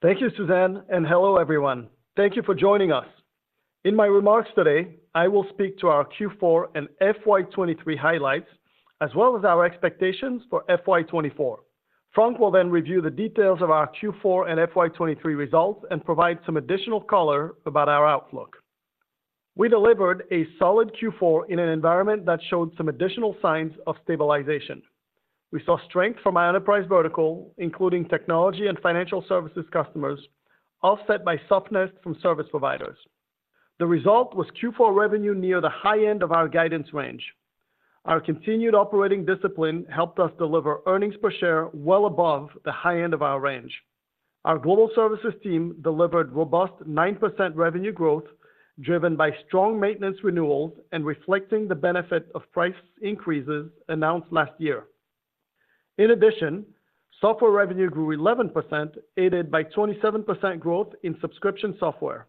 Thank you, Suzanne, and hello, everyone. Thank you for joining us. In my remarks today, I will speak to our Q4 and FY 2023 highlights, as well as our expectations for FY 2024. Frank will then review the details of our Q4 and FY 2023 results and provide some additional color about our outlook. We delivered a solid Q4 in an environment that showed some additional signs of stabilization. We saw strength from our enterprise vertical, including technology and financial services customers, offset by softness from service providers. The result was Q4 revenue near the high end of our guidance range. Our continued operating discipline helped us deliver earnings per share well above the high end of our range. Our Global Services team delivered robust 9% revenue growth, driven by strong maintenance renewals and reflecting the benefit of price increases announced last year. In addition, software revenue grew 11%, aided by 27% growth in subscription software.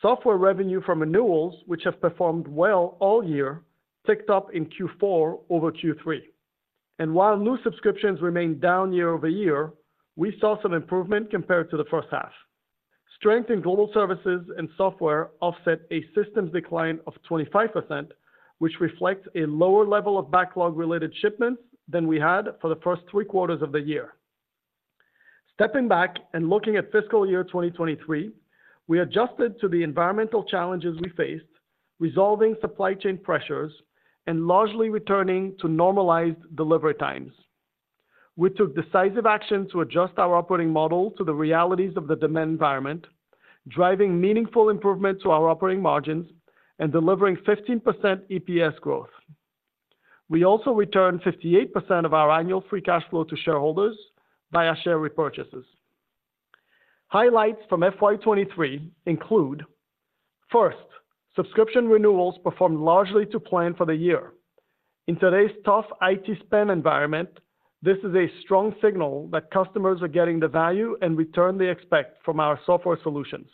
Software revenue from renewals, which have performed well all year, ticked up in Q4 over Q3. While new subscriptions remained down year-over-year, we saw some improvement compared to the first half. Strength in Global Services and software offset a systems decline of 25%, which reflects a lower level of backlog-related shipments than we had for the first three quarters of the year. Stepping back and looking at fiscal year 2023, we adjusted to the environmental challenges we faced, resolving supply chain pressures and largely returning to normalized delivery times. We took decisive action to adjust our operating model to the realities of the demand environment, driving meaningful improvement to our operating margins and delivering 15% EPS growth. We also returned 58% of our annual free cash flow to shareholders via share repurchases. Highlights from FY 2023 include: first, subscription renewals performed largely to plan for the year. In today's tough IT spend environment, this is a strong signal that customers are getting the value and return they expect from our software solutions.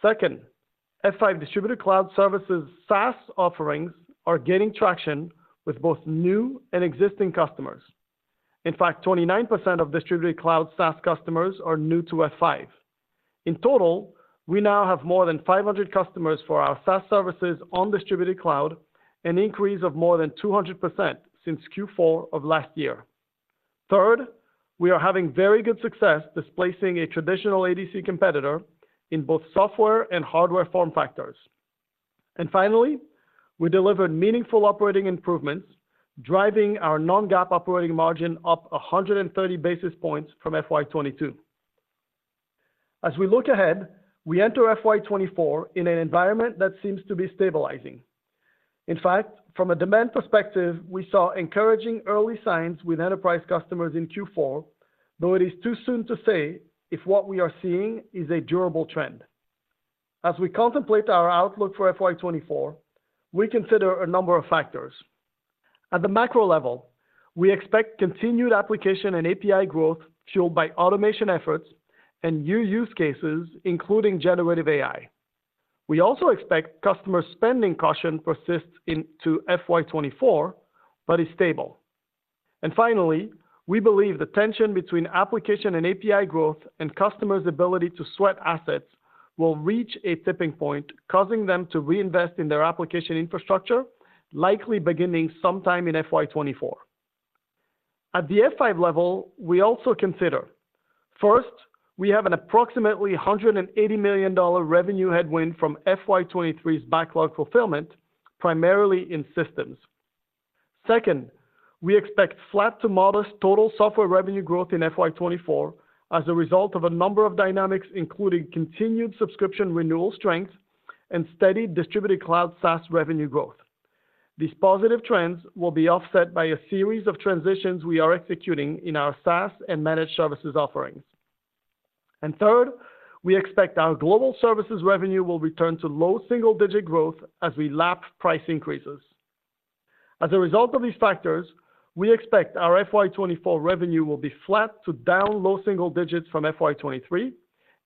Second, F5 Distributed Cloud Services SaaS offerings are gaining traction with both new and existing customers. In fact, 29% of Distributed Cloud SaaS customers are new to F5. In total, we now have more than 500 customers for our SaaS services on Distributed Cloud, an increase of more than 200% since Q4 of last year. Third, we are having very good success displacing a traditional ADC competitor in both software and hardware form factors. Finally, we delivered meaningful operating improvements, driving our non-GAAP operating margin up 100 basis points from FY 2022. As we look ahead, we enter FY 2024 in an environment that seems to be stabilizing. In fact, from a demand perspective, we saw encouraging early signs with enterprise customers in Q4, though it is too soon to say if what we are seeing is a durable trend. As we contemplate our outlook for FY 2024, we consider a number of factors. At the macro level, we expect continued application and API growth, fueled by automation efforts and new use cases, including generative AI. We also expect customer spending caution persists into FY 2024, but is stable. Finally, we believe the tension between application and API growth and customers' ability to sweat assets will reach a tipping point, causing them to reinvest in their application infrastructure, likely beginning sometime in FY 2024. At the F5 level, we also consider: first, we have an approximately $180 million revenue headwind from FY 2023's backlog fulfillment, primarily in systems. Second, we expect flat to modest total software revenue growth in FY 2024 as a result of a number of dynamics, including continued subscription renewal strength and steady Distributed Cloud SaaS revenue growth. These positive trends will be offset by a series of transitions we are executing in our SaaS & Managed Services offerings. And third, we expect our Global Services revenue will return to low single-digit growth as we lap price increases. As a result of these factors, we expect our FY 2024 revenue will be flat to down low single digits from FY 2023,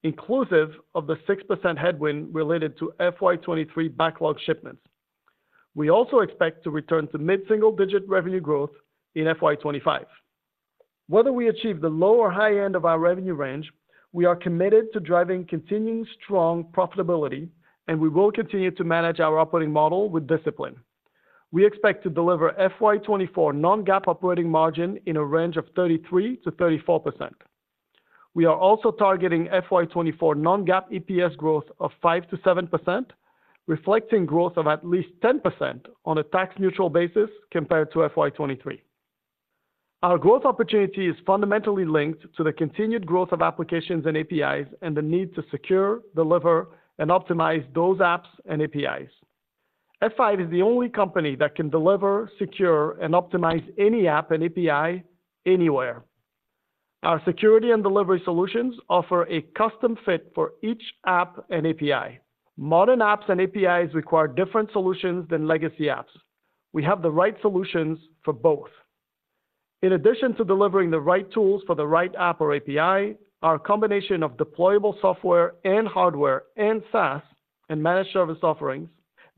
inclusive of the 6% headwind related to FY 2023 backlog shipments. We also expect to return to mid-single-digit revenue growth in FY 2025. Whether we achieve the low or high end of our revenue range, we are committed to driving continuing strong profitability, and we will continue to manage our operating model with discipline. We expect to deliver FY 2024 non-GAAP operating margin in a range of 33%-34%. We are also targeting FY 2024 non-GAAP EPS growth of 5%-7%, reflecting growth of at least 10% on a tax-neutral basis compared to FY 2023. Our growth opportunity is fundamentally linked to the continued growth of applications and APIs, and the need to secure, deliver, and optimize those apps and APIs. F5 is the only company that can deliver, secure, and optimize any app and API anywhere. Our security and delivery solutions offer a custom fit for each app and API. Modern apps and APIs require different solutions than legacy apps. We have the right solutions for both. In addition to delivering the right tools for the right app or API, our combination of deployable software and hardware and SaaS & Managed Service offerings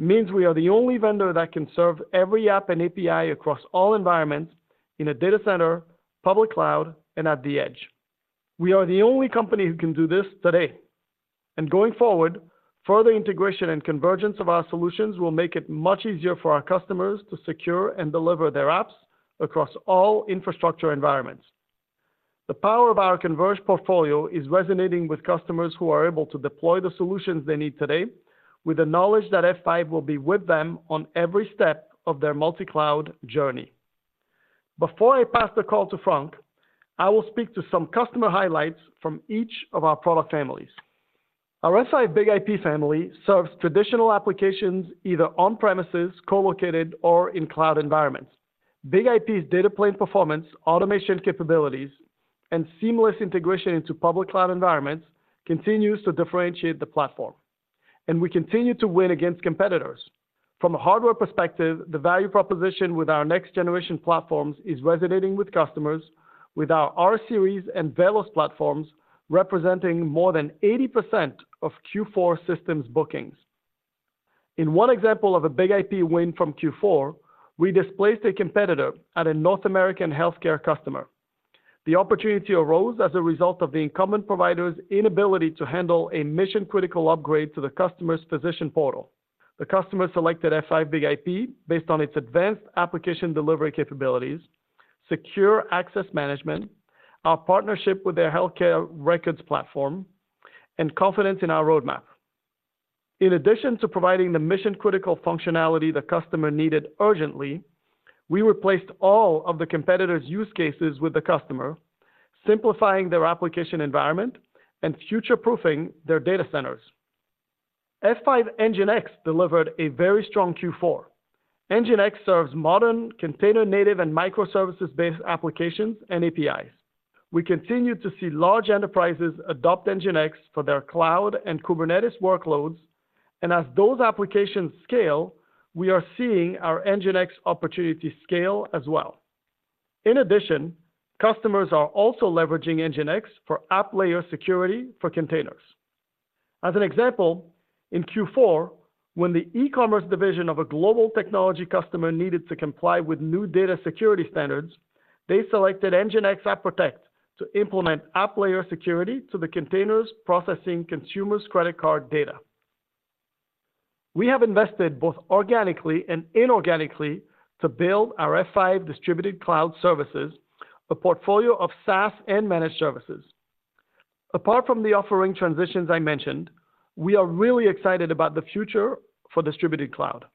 means we are the only vendor that can serve every app and API across all environments in a data center, public cloud, and at the edge. We are the only company who can do this today. Going forward, further integration and convergence of our solutions will make it much easier for our customers to secure and deliver their apps across all infrastructure environments. The power of our converged portfolio is resonating with customers who are able to deploy the solutions they need today with the knowledge that F5 will be with them on every step of their multi-cloud journey. Before I pass the call to Frank, I will speak to some customer highlights from each of our product families. Our F5 BIG-IP family serves traditional applications either on-premises, co-located, or in cloud environments. BIG-IP's data plane performance, automation capabilities, and seamless integration into public cloud environments continues to differentiate the platform, and we continue to win against competitors. From a hardware perspective, the value proposition with our next generation platforms is resonating with customers with our rSeries and VELOS platforms, representing more than 80% of Q4 systems bookings. In one example of a BIG-IP win from Q4, we displaced a competitor at a North American healthcare customer. The opportunity arose as a result of the incumbent provider's inability to handle a mission-critical upgrade to the customer's physician portal. The customer selected F5 BIG-IP based on its advanced application delivery capabilities, secure access management, our partnership with their healthcare records platform, and confidence in our roadmap. In addition to providing the mission-critical functionality the customer needed urgently, we replaced all of the competitor's use cases with the customer, simplifying their application environment and future-proofing their data centers. F5 NGINX delivered a very strong Q4. NGINX serves modern container-native and microservices-based applications and APIs. We continue to see large enterprises adopt NGINX for their cloud and Kubernetes workloads, and as those applications scale, we are seeing our NGINX opportunity scale as well. In addition, customers are also leveraging NGINX for app layer security for containers. As an example, in Q4, when the e-commerce division of a global technology customer needed to comply with new data security standards, they selected NGINX App Protect to implement app layer security to the containers processing consumers' credit card data. We have invested both organically and inorganically to build our F5 Distributed Cloud Services, a portfolio of SaaS & Managed Services. Apart from the offering transitions I mentioned, we are really excited about the future for Distributed Cloud.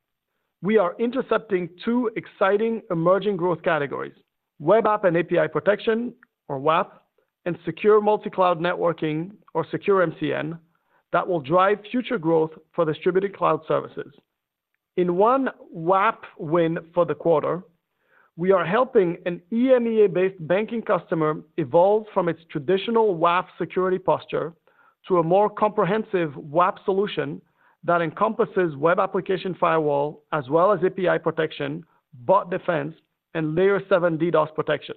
We are intercepting two exciting emerging growth categories: web app and API protection, or WAAP, and secure multi-cloud networking, or secure MCN, that will drive future growth for Distributed Cloud Services. In one WAAP win for the quarter, we are helping an EMEA-based banking customer evolve from its traditional WAAP security posture to a more comprehensive WAAP solution that encompasses web application firewall as well as API protection, bot defense, and Layer 7 DDoS protection.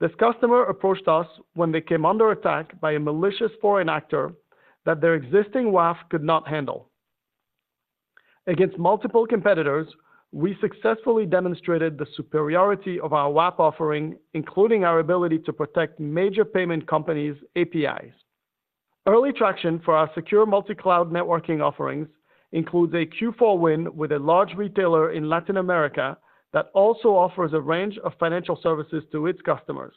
This customer approached us when they came under attack by a malicious foreign actor that their existing WAAP could not handle. Against multiple competitors, we successfully demonstrated the superiority of our WAAP offering, including our ability to protect major payment companies' APIs. Early traction for our secure multi-cloud networking offerings includes a Q4 win with a large retailer in Latin America that also offers a range of financial services to its customers.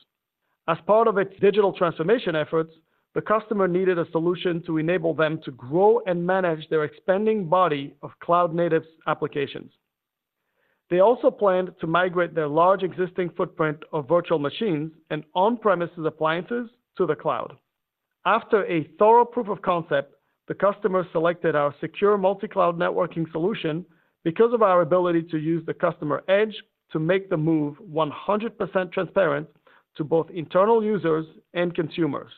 As part of its digital transformation efforts, the customer needed a solution to enable them to grow and manage their expanding body of cloud-native applications. They also planned to migrate their large existing footprint of virtual machines and on-premises appliances to the cloud. After a thorough proof of concept, the customer selected our secure multi-cloud networking solution because of our ability to use the Customer Edge to make the move 100% transparent to both internal users and consumers.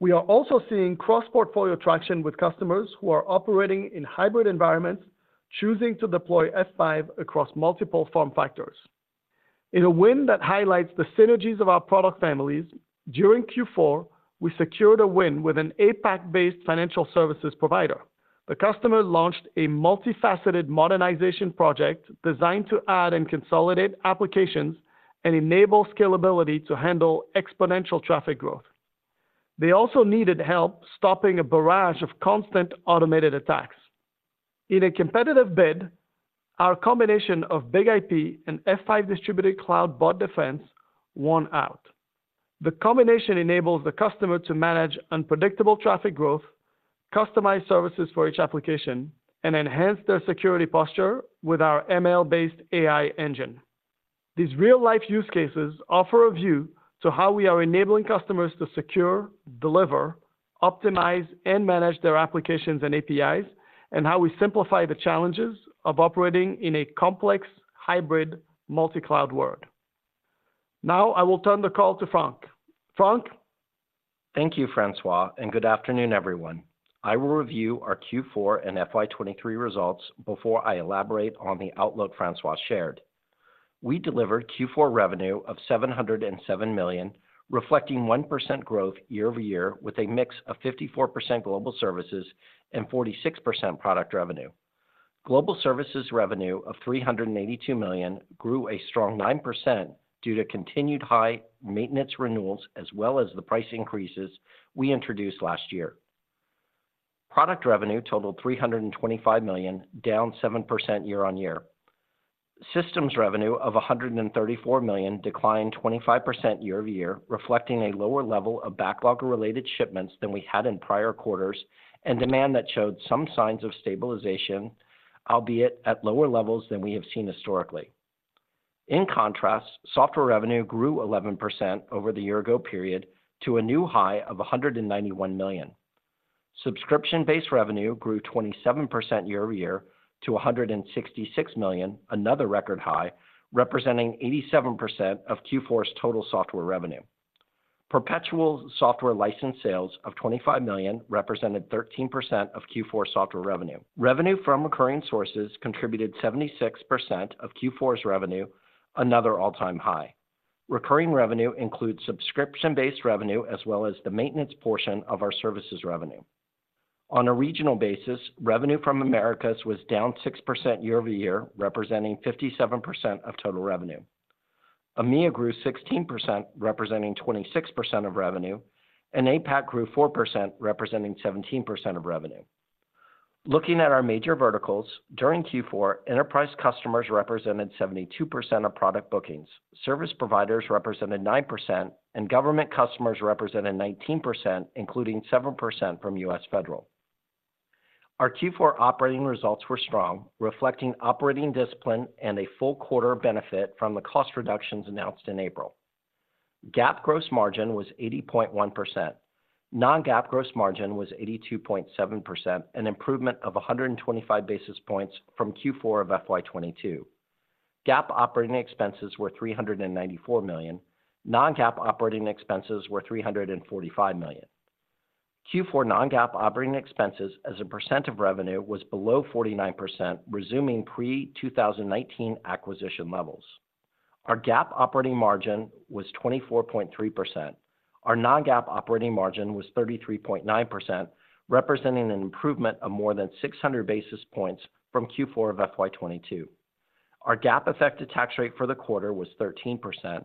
We are also seeing cross-portfolio traction with customers who are operating in hybrid environments, choosing to deploy F5 across multiple form factors. In a win that highlights the synergies of our product families, during Q4, we secured a win with an APAC-based financial services provider. The customer launched a multifaceted modernization project designed to add and consolidate applications and enable scalability to handle exponential traffic growth. They also needed help stopping a barrage of constant automated attacks. In a competitive bid, our combination of BIG-IP and F5 Distributed Cloud Bot Defense won out. The combination enables the customer to manage unpredictable traffic growth, customize services for each application, and enhance their security posture with our ML-based AI engine. These real-life use cases offer a view to how we are enabling customers to secure, deliver, optimize, and manage their applications and APIs, and how we simplify the challenges of operating in a complex, hybrid, multi-cloud world. Now, I will turn the call to Frank. Frank? Thank you, François, and good afternoon, everyone. I will review our Q4 and FY 2023 results before I elaborate on the outlook François shared.... We delivered Q4 revenue of $707 million, reflecting 1% growth year-over-year, with a mix of 54% Global Services and 46% product revenue. Global Services revenue of $382 million grew a strong 9% due to continued high maintenance renewals, as well as the price increases we introduced last year. Product revenue totaled $325 million, down 7% year-over-year. Systems revenue of $134 million declined 25% year-over-year, reflecting a lower level of backlog-related shipments than we had in prior quarters, and demand that showed some signs of stabilization, albeit at lower levels than we have seen historically. In contrast, software revenue grew 11% over the year ago period to a new high of $191 million. Subscription-based revenue grew 27% year-over-year to $166 million, another record high, representing 87% of Q4's total software revenue. Perpetual software license sales of $25 million represented 13% of Q4 software revenue. Revenue from recurring sources contributed 76% of Q4's revenue, another all-time high. Recurring revenue includes subscription-based revenue, as well as the maintenance portion of our services revenue. On a regional basis, revenue from Americas was down 6% year-over-year, representing 57% of total revenue. EMEA grew 16%, representing 26% of revenue, and APAC grew 4%, representing 17% of revenue. Looking at our major verticals, during Q4, enterprise customers represented 72% of product bookings, service providers represented 9%, and government customers represented 19%, including 7% from U.S. Federal. Our Q4 operating results were strong, reflecting operating discipline and a full quarter benefit from the cost reductions announced in April. GAAP gross margin was 80.1%. Non-GAAP gross margin was 82.7%, an improvement of 125 basis points from Q4 of FY 2022. GAAP operating expenses were $394 million. Non-GAAP operating expenses were $345 million. Q4 non-GAAP operating expenses as a percent of revenue was below 49%, resuming pre-2019 acquisition levels. Our GAAP operating margin was 24.3%. Our non-GAAP operating margin was 33.9%, representing an improvement of more than 600 basis points from Q4 of FY 2022. Our GAAP effective tax rate for the quarter was 13%.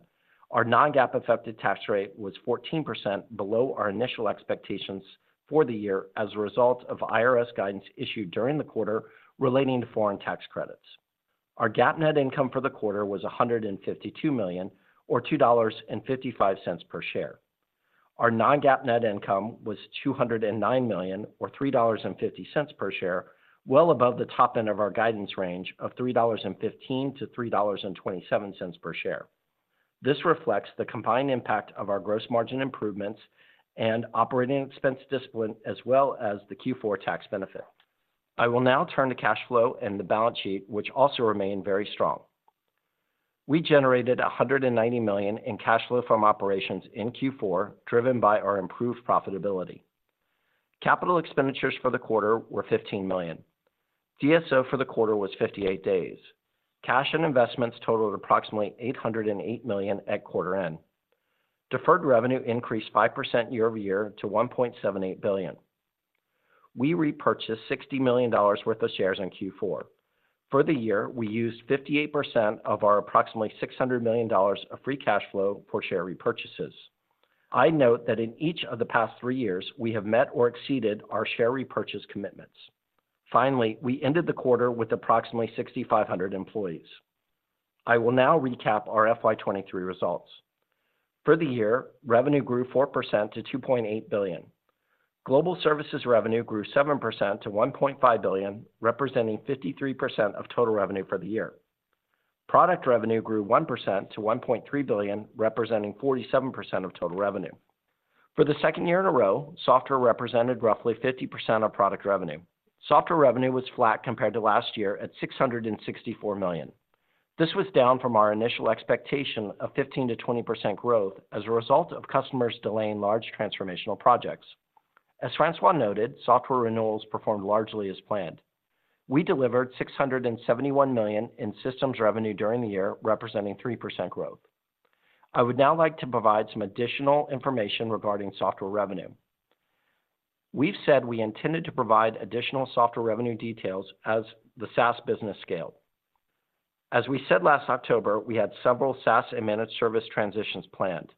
Our non-GAAP effective tax rate was 14%, below our initial expectations for the year as a result of IRS guidance issued during the quarter relating to foreign tax credits. Our GAAP net income for the quarter was $152 million, or $2.55 per share. Our non-GAAP net income was $209 million, or $3.50 per share, well above the top end of our guidance range of $3.15-$3.27 per share. This reflects the combined impact of our gross margin improvements and operating expense discipline, as well as the Q4 tax benefit. I will now turn to cash flow and the balance sheet, which also remain very strong. We generated $190 million in cash flow from operations in Q4, driven by our improved profitability. Capital expenditures for the quarter were $15 million. DSO for the quarter was 58 days. Cash and investments totaled approximately $808 million at quarter end. Deferred revenue increased 5% year-over-year to $1.78 billion. We repurchased $60 million worth of shares in Q4. For the year, we used 58% of our approximately $600 million of free cash flow for share repurchases. I note that in each of the past three years, we have met or exceeded our share repurchase commitments. Finally, we ended the quarter with approximately 6,500 employees. I will now recap our FY 2023 results. For the year, revenue grew 4% to $2.8 billion. Global Services revenue grew 7% to $1.5 billion, representing 53% of total revenue for the year. Product revenue grew 1% to $1.3 billion, representing 47% of total revenue. For the second year in a row, software represented roughly 50% of product revenue. Software revenue was flat compared to last year, at $664 million. This was down from our initial expectation of 15%-20% growth as a result of customers delaying large transformational projects. As François noted, software renewals performed largely as planned. We delivered $671 million in systems revenue during the year, representing 3% growth. I would now like to provide some additional information regarding software revenue. We've said we intended to provide additional software revenue details as the SaaS business scaled. As we said last October, we had several SaaS & Managed Service transitions planned.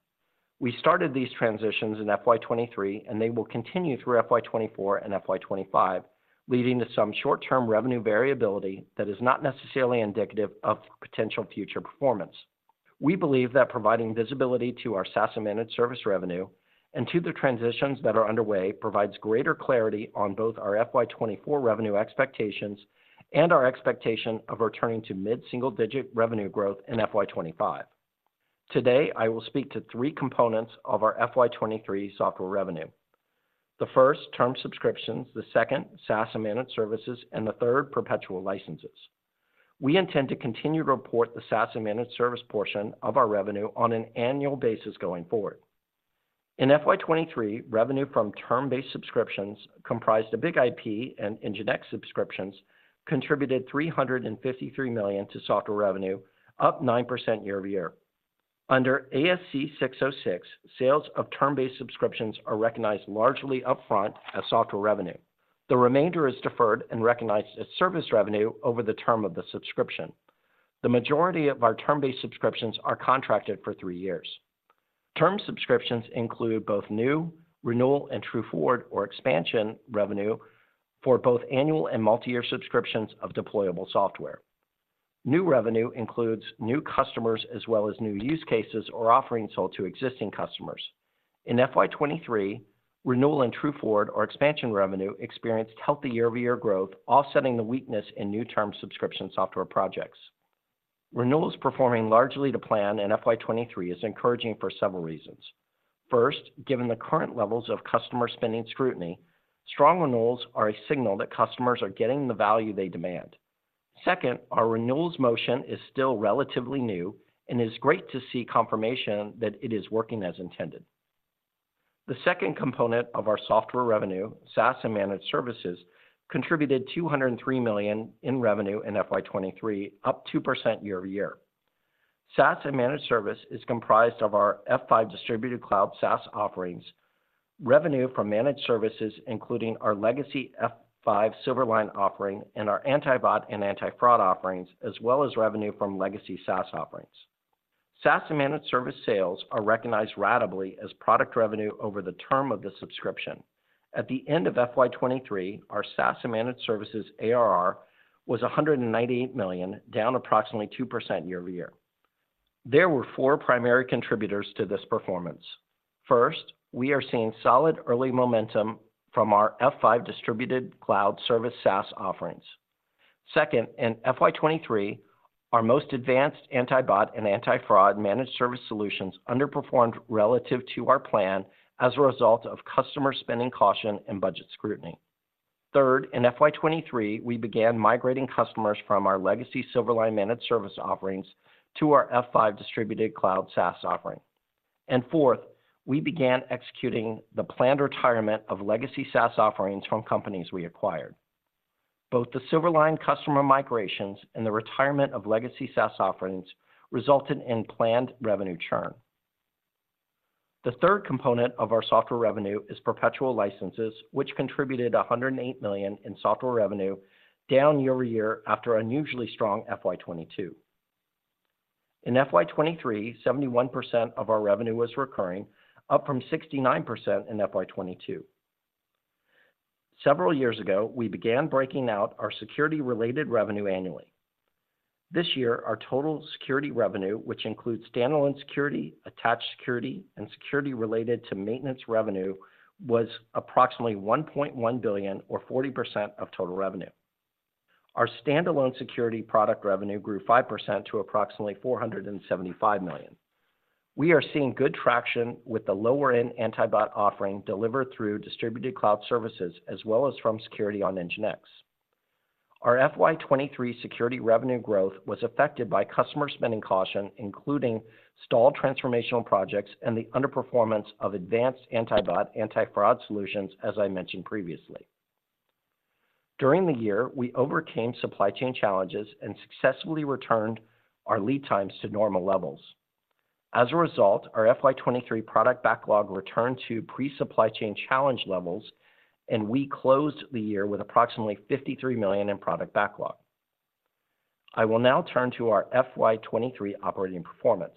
We started these transitions in FY 2023, and they will continue through FY 2024 and FY 2025, leading to some short-term revenue variability that is not necessarily indicative of potential future performance. We believe that providing visibility to our SaaS & Managed Service revenue and to the transitions that are underway, provides greater clarity on both our FY 2024 revenue expectations and our expectation of returning to mid-single-digit revenue growth in FY 2025. Today, I will speak to three components of our FY 2023 software revenue. The first, term subscriptions, the second, SaaS & Managed Services, and the third, perpetual licenses. We intend to continue to report the SaaS & Managed Service portion of our revenue on an annual basis going forward. In FY 2023, revenue from term-based subscriptions comprised of BIG-IP and NGINX subscriptions contributed $353 million to software revenue, up 9% year-over-year. Under ASC 606, sales of term-based subscriptions are recognized largely upfront as software revenue. The remainder is deferred and recognized as service revenue over the term of the subscription. The majority of our term-based subscriptions are contracted for 3 years. Term subscriptions include both new, renewal, and True Forward or expansion revenue for both annual and multi-year subscriptions of deployable software. New revenue includes new customers, as well as new use cases or offerings sold to existing customers. In FY 2023, renewal and True Forward or expansion revenue experienced healthy year-over-year growth, offsetting the weakness in new term subscription software projects. Renewals performing largely to plan in FY 2023 is encouraging for several reasons. First, given the current levels of customer spending scrutiny, strong renewals are a signal that customers are getting the value they demand. Second, our renewals motion is still relatively new, and it's great to see confirmation that it is working as intended. The second component of our software revenue, SaaS & Managed Services, contributed $203 million in revenue in FY 2023, up 2% year-over-year. SaaS & Managed Service is comprised of our F5 Distributed Cloud SaaS offerings, revenue from Managed Services, including our legacy F5 Silverline offering and our anti-bot and anti-fraud offerings, as well as revenue from legacy SaaS offerings. SaaS & Managed Service sales are recognized ratably as product revenue over the term of the subscription. At the end of FY 2023, our SaaS & Managed Services ARR was $198 million, down approximately 2% year-over-year. There were four primary contributors to this performance. First, we are seeing solid early momentum from our F5 Distributed Cloud Services SaaS offerings. Second, in FY 2023, our most advanced anti-bot and anti-fraud Managed Service solutions underperformed relative to our plan as a result of customer spending caution and budget scrutiny. Third, in FY 2023, we began migrating customers from our legacy Silverline Managed Service offerings to our F5 Distributed Cloud SaaS offering. And fourth, we began executing the planned retirement of legacy SaaS offerings from companies we acquired. Both the Silverline customer migrations and the retirement of legacy SaaS offerings resulted in planned revenue churn. The third component of our software revenue is perpetual licenses, which contributed $108 million in software revenue, down year-over-year after unusually strong FY 2022. In FY 2023, 71% of our revenue was recurring, up from 69% in FY 2022. Several years ago, we began breaking out our security-related revenue annually. This year, our total security revenue, which includes standalone security, attached security, and security related to maintenance revenue, was approximately $1.1 billion or 40% of total revenue. Our standalone security product revenue grew 5% to approximately $475 million. We are seeing good traction with the lower-end anti-bot offering delivered through Distributed Cloud Services, as well as from security on NGINX. Our FY 2023 security revenue growth was affected by customer spending caution, including stalled transformational projects and the underperformance of advanced anti-bot, anti-fraud solutions, as I mentioned previously. During the year, we overcame supply chain challenges and successfully returned our lead times to normal levels. As a result, our FY 2023 product backlog returned to pre-supply chain challenge levels, and we closed the year with approximately $53 million in product backlog. I will now turn to our FY 2023 operating performance.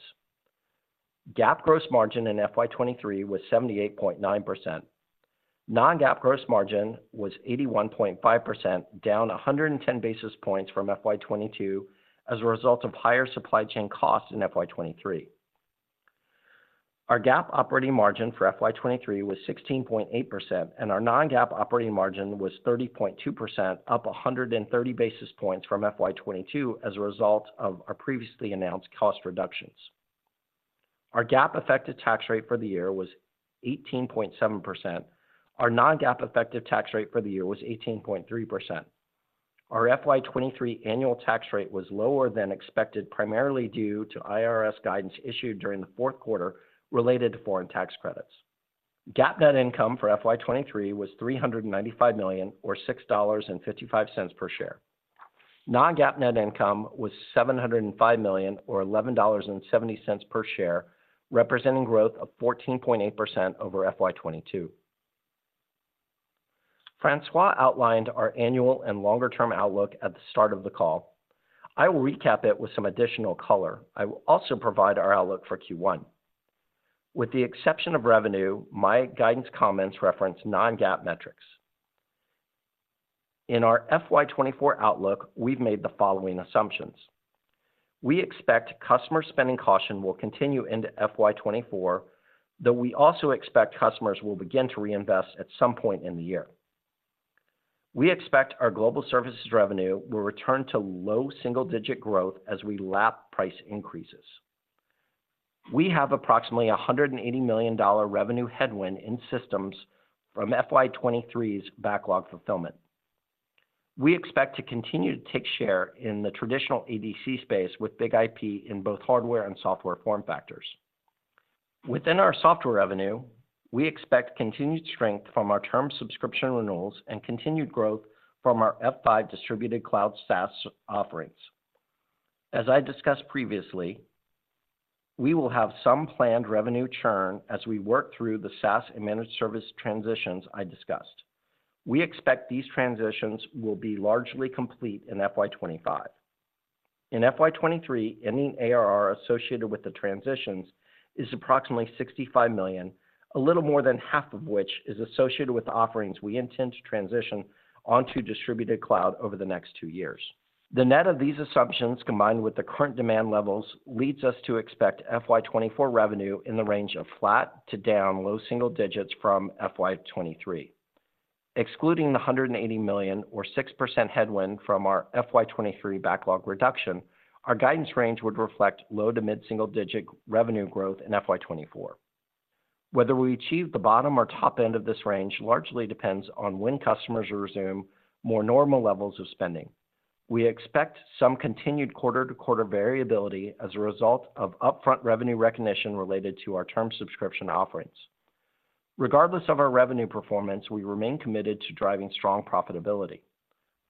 GAAP gross margin in FY 2023 was 78.9%. Non-GAAP gross margin was 81.5%, down 110 basis points from FY 2022 as a result of higher supply chain costs in FY 2023. Our GAAP operating margin for FY 2023 was 16.8%, and our non-GAAP operating margin was 30.2%, up 130 basis points from FY 2022 as a result of our previously announced cost reductions. Our GAAP effective tax rate for the year was 18.7%. Our non-GAAP effective tax rate for the year was 18.3%. Our FY 2023 annual tax rate was lower than expected, primarily due to IRS guidance issued during the fourth quarter related to foreign tax credits. GAAP net income for FY 2023 was $395 million, or $6.55 per share. Non-GAAP net income was $705 million, or $11.70 per share, representing growth of 14.8% over FY 2022. François outlined our annual and longer-term outlook at the start of the call. I will recap it with some additional color. I will also provide our outlook for Q1. With the exception of revenue, my guidance comments reference non-GAAP metrics. In our FY 2024 outlook, we've made the following assumptions. We expect customer spending caution will continue into FY 2024, though we also expect customers will begin to reinvest at some point in the year. We expect our Global Services revenue will return to low single-digit growth as we lap price increases. We have approximately $180 million revenue headwind in systems from FY 2023's backlog fulfillment. We expect to continue to take share in the traditional ADC space with BIG-IP in both hardware and software form factors. Within our software revenue, we expect continued strength from our term subscription renewals and continued growth from our F5 Distributed Cloud SaaS offerings. As I discussed previously, we will have some planned revenue churn as we work through the SaaS & Managed Service transitions I discussed. We expect these transitions will be largely complete in FY 2025. In FY 2023, any ARR associated with the transitions is approximately $65 million, a little more than half of which is associated with the offerings we intend to transition onto Distributed Cloud over the next two years. The net of these assumptions, combined with the current demand levels, leads us to expect FY 2024 revenue in the range of flat to down low-single digits from FY 2023. Excluding the $180 million or 6% headwind from our FY 2023 backlog reduction, our guidance range would reflect low- to mid-single-digit revenue growth in FY 2024. Whether we achieve the bottom or top end of this range largely depends on when customers will resume more normal levels of spending. We expect some continued quarter-to-quarter variability as a result of upfront revenue recognition related to our term subscription offerings. Regardless of our revenue performance, we remain committed to driving strong profitability.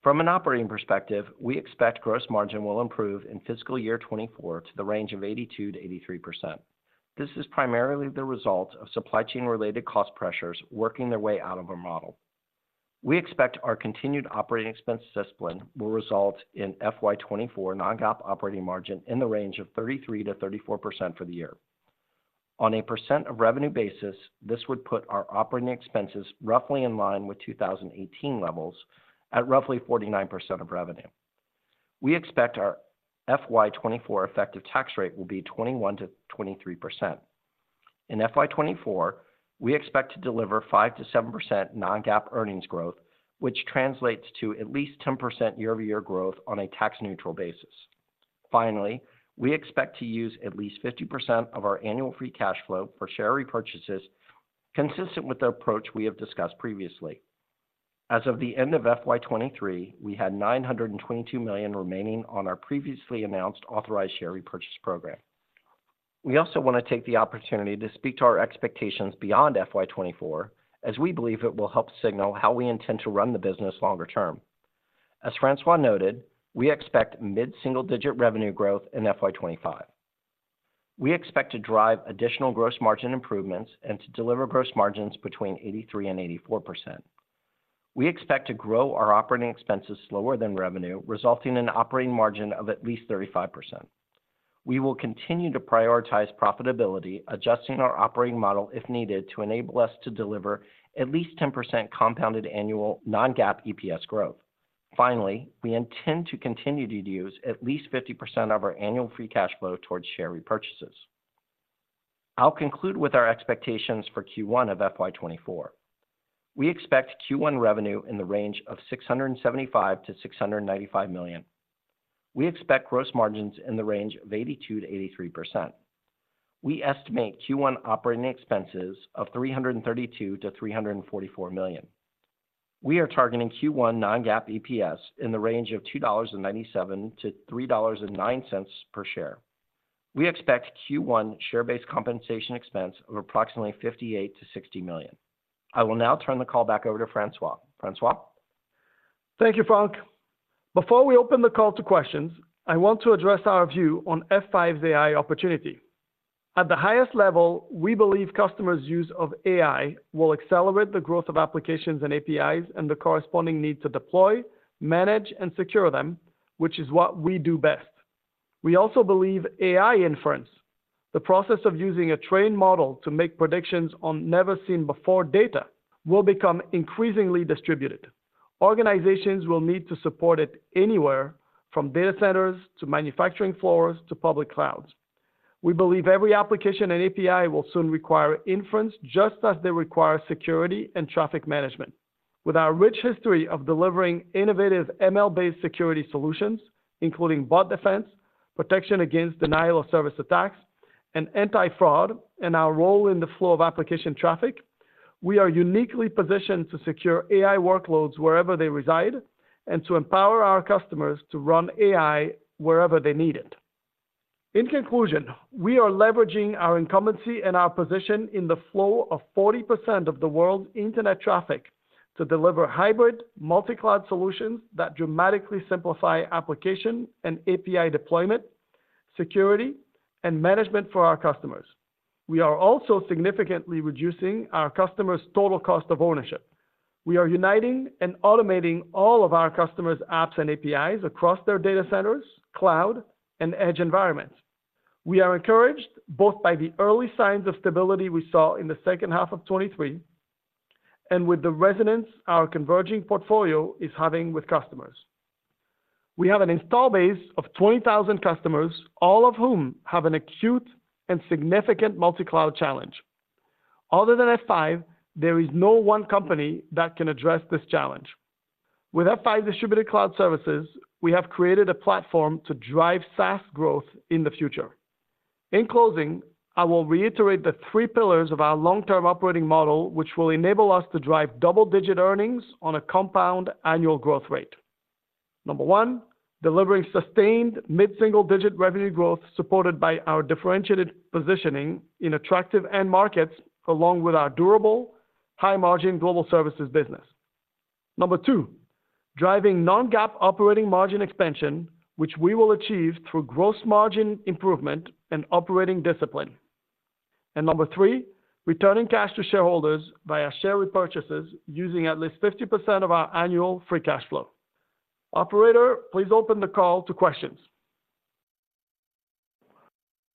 From an operating perspective, we expect gross margin will improve in fiscal year 2024 to the range of 82%-83%. This is primarily the result of supply chain-related cost pressures working their way out of our model. We expect our continued operating expense discipline will result in FY 2024 non-GAAP operating margin in the range of 33%-34% for the year. On a percent of revenue basis, this would put our operating expenses roughly in line with 2018 levels at roughly 49% of revenue. We expect our FY 2024 effective tax rate will be 21%-23%. In FY 2024, we expect to deliver 5%-7% non-GAAP earnings growth, which translates to at least 10% year-over-year growth on a tax-neutral basis. Finally, we expect to use at least 50% of our annual free cash flow for share repurchases, consistent with the approach we have discussed previously. As of the end of FY 2023, we had $922 million remaining on our previously announced authorized share repurchase program. We also want to take the opportunity to speak to our expectations beyond FY 2024, as we believe it will help signal how we intend to run the business longer term. As François noted, we expect mid-single-digit revenue growth in FY 2025. We expect to drive additional gross margin improvements and to deliver gross margins between 83%-84%. We expect to grow our operating expenses slower than revenue, resulting in an operating margin of at least 35%. We will continue to prioritize profitability, adjusting our operating model, if needed, to enable us to deliver at least 10% compounded annual non-GAAP EPS growth. Finally, we intend to continue to use at least 50% of our annual free cash flow towards share repurchases. I'll conclude with our expectations for Q1 of FY 2024. We expect Q1 revenue in the range of $675 million-$695 million. We expect gross margins in the range of 82%-83%. We estimate Q1 operating expenses of $332 million-$344 million. We are targeting Q1 non-GAAP EPS in the range of $2.97-$3.09 per share. We expect Q1 share-based compensation expense of approximately $58 million-$60 million. I will now turn the call back over to François. François? Thank you, Frank. Before we open the call to questions, I want to address our view on F5's AI opportunity. At the highest level, we believe customers' use of AI will accelerate the growth of applications and APIs and the corresponding need to deploy, manage, and secure them, which is what we do best. We also believe AI inference, the process of using a trained model to make predictions on never-seen-before data, will become increasingly distributed. Organizations will need to support it anywhere, from data centers to manufacturing floors to public clouds. We believe every application and API will soon require inference, just as they require security and traffic management. With our rich history of delivering innovative ML-based security solutions, including bot defense, protection against denial of service attacks, and anti-fraud, and our role in the flow of application traffic, we are uniquely positioned to secure AI workloads wherever they reside and to empower our customers to run AI wherever they need it. In conclusion, we are leveraging our incumbency and our position in the flow of 40% of the world's internet traffic to deliver hybrid multi-cloud solutions that dramatically simplify application and API deployment, security, and management for our customers. We are also significantly reducing our customers' total cost of ownership. We are uniting and automating all of our customers' apps and APIs across their data centers, cloud, and edge environments. We are encouraged both by the early signs of stability we saw in the second half of 2023 and with the resonance our converging portfolio is having with customers. We have an install base of 20,000 customers, all of whom have an acute and significant multi-cloud challenge. Other than F5, there is no one company that can address this challenge. With F5 Distributed Cloud Services, we have created a platform to drive SaaS growth in the future. In closing, I will reiterate the three pillars of our long-term operating model, which will enable us to drive double-digit earnings on a compound annual growth rate. Number one, delivering sustained mid-single-digit revenue growth, supported by our differentiated positioning in attractive end markets, along with our durable, high-margin Global Services business. Number two, driving non-GAAP operating margin expansion, which we will achieve through gross margin improvement and operating discipline. Number three, returning cash to shareholders via share repurchases, using at least 50% of our annual free cash flow. Operator, please open the call to questions.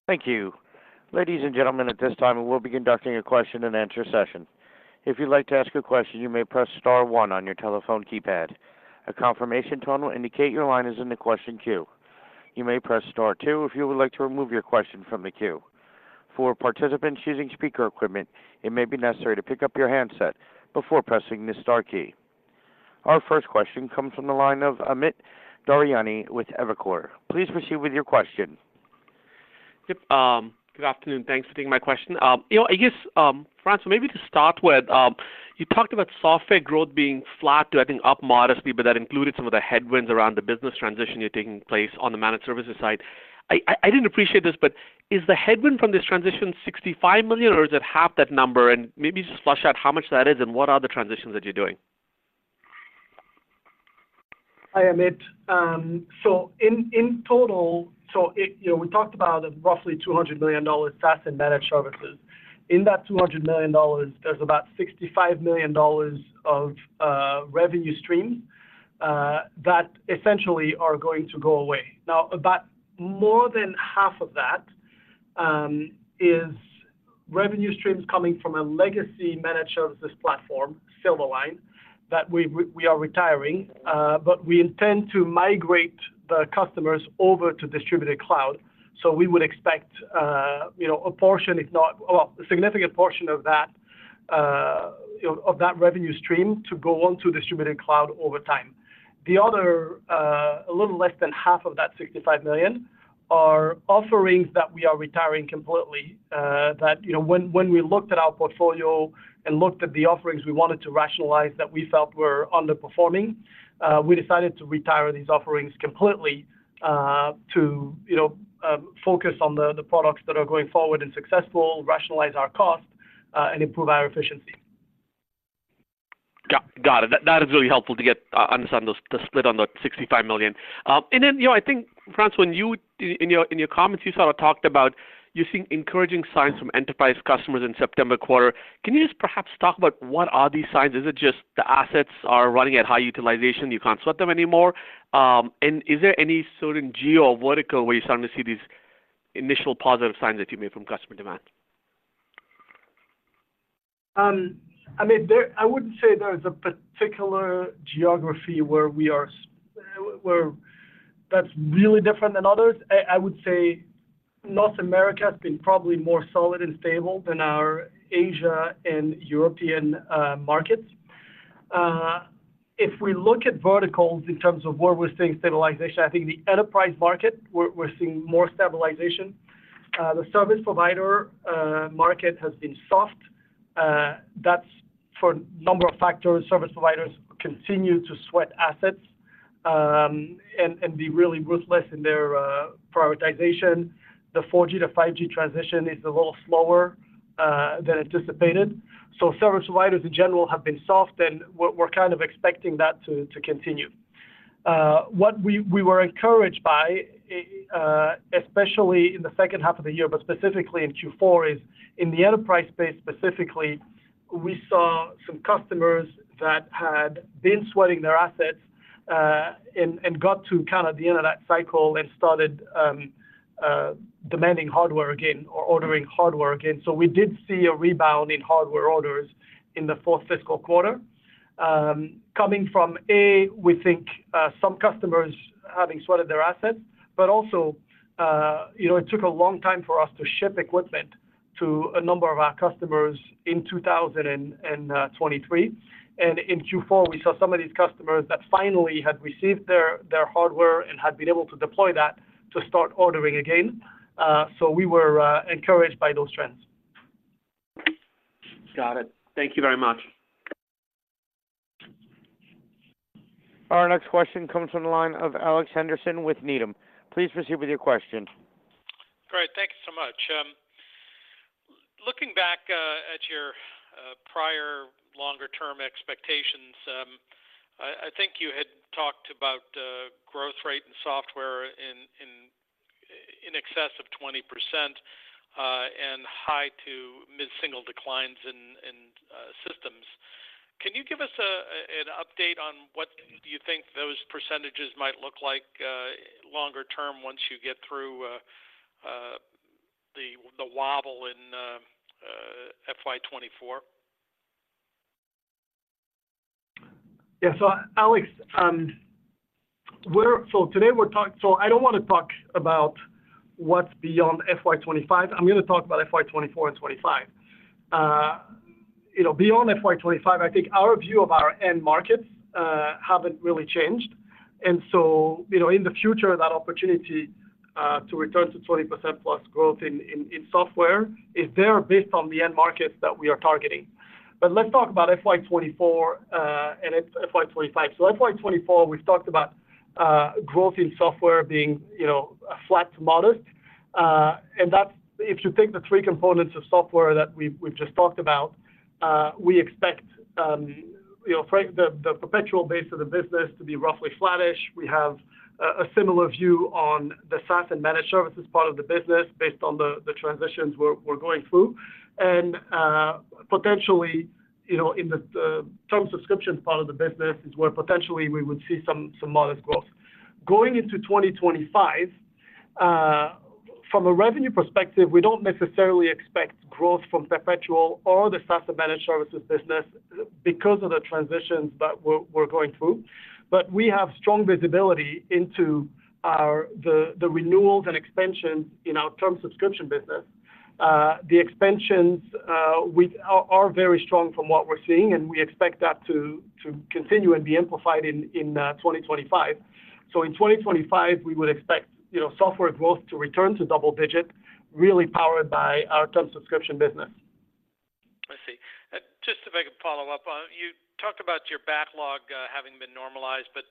Thank you. Ladies and gentlemen, at this time, we'll be conducting a question-and-answer session. If you'd like to ask a question, you may press star one on your telephone keypad. A confirmation tone will indicate your line is in the question queue. You may press star two if you would like to remove your question from the queue. For participants using speaker equipment, it may be necessary to pick up your handset before pressing the star key. Our first question comes from the line of Amit Daryanani with Evercore. Please proceed with your question. Yep, good afternoon. Thanks for taking my question. You know, I guess, François, maybe to start with, you talked about software growth being flat to, I think, up modestly, but that included some of the headwinds around the business transition you're taking place on the Managed Services side. I didn't appreciate this, but is the headwind from this transition $65 million, or is it half that number? And maybe just flesh out how much that is and what are the transitions that you're doing. Hi, Amit. So in total, you know, we talked about roughly $200 million, SaaS & Managed Services. In that $200 million, there's about $65 million of revenue streams that essentially are going to go away. Now, about more than half of that is revenue streams coming from a legacy Managed Services platform, Silverline, that we are retiring, but we intend to migrate the customers over to Distributed Cloud. So we would expect, you know, a portion, if not—well, a significant portion of that revenue stream to go on to Distributed Cloud over time. The other, a little less than half of that $65 million are offerings that we are retiring completely, that, you know, when we looked at our portfolio and looked at the offerings we wanted to rationalize that we felt were underperforming, we decided to retire these offerings completely, to, you know, focus on the products that are going forward and successful, rationalize our cost, and improve our efficiency. Got it. That is really helpful to understand the split on the $65 million. And then, you know, I think, François, when you in your comments, you sort of talked about you're seeing encouraging signs from enterprise customers in September quarter. Can you just perhaps talk about what are these signs? Is it just the assets are running at high utilization, you can't sweat them anymore? And is there any certain geo or vertical where you're starting to see these initial positive signs that you made from customer demand? I mean, I wouldn't say there is a particular geography where we are where that's really different than others. I would say North America has been probably more solid and stable than our Asia and European markets. If we look at verticals in terms of where we're seeing stabilization, I think the enterprise market, we're seeing more stabilization. The service provider market has been soft. That's for a number of factors. Service providers continue to sweat assets and be really ruthless in their prioritization. The 4G to 5G transition is a little slower than anticipated. So service providers in general have been soft, and we're kind of expecting that to continue. What we were encouraged by, especially in the second half of the year, but specifically in Q4, is in the enterprise space, specifically, we saw some customers that had been sweating their assets, and got to kind of the end of that cycle and started demanding hardware again or ordering hardware again. So we did see a rebound in hardware orders in the fourth fiscal quarter, coming from, we think, some customers having sweated their assets, but also, you know, it took a long time for us to ship equipment to a number of our customers in 2023. And in Q4, we saw some of these customers that finally had received their hardware and had been able to deploy that to start ordering again. So we were encouraged by those trends. Got it. Thank you very much. Our next question comes from the line of Alex Henderson with Needham. Please proceed with your question. Great. Thank you so much. Looking back at your prior longer-term expectations, I think you had talked about growth rate and software in excess of 20%, and high- to mid-single-digit declines in systems. Can you give us an update on what do you think those percentages might look like longer term once you get through the wobble in FY 2024? Yeah. So Alex, so today we're talking. So I don't want to talk about what's beyond FY 2025. I'm going to talk about FY 2024 and 25. You know, beyond FY 2025, I think our view of our end markets haven't really changed. And so, you know, in the future, that opportunity to return to 20%+ growth in software is there based on the end markets that we are targeting. But let's talk about FY 2024 and FY 2025. So FY 2024, we've talked about growth in software being, you know, flat to modest. And that, if you take the three components of software that we've just talked about, we expect, you know, Frank, the perpetual base of the business to be roughly flattish. We have a similar view on the SaaS & Managed Services part of the business, based on the transitions we're going through. Potentially, you know, in the term subscriptions part of the business is where potentially we would see some modest growth. Going into 2025, from a revenue perspective, we don't necessarily expect growth from perpetual or the SaaS & Managed Services business because of the transitions that we're going through. But we have strong visibility into our renewals and expansions in our term subscription business. The expansions are very strong from what we're seeing, and we expect that to continue and be amplified in 2025. So in 2025, we would expect, you know, software growth to return to double-digit, really powered by our term subscription business. I see. Just to make a follow-up on, you talked about your backlog having been normalized, but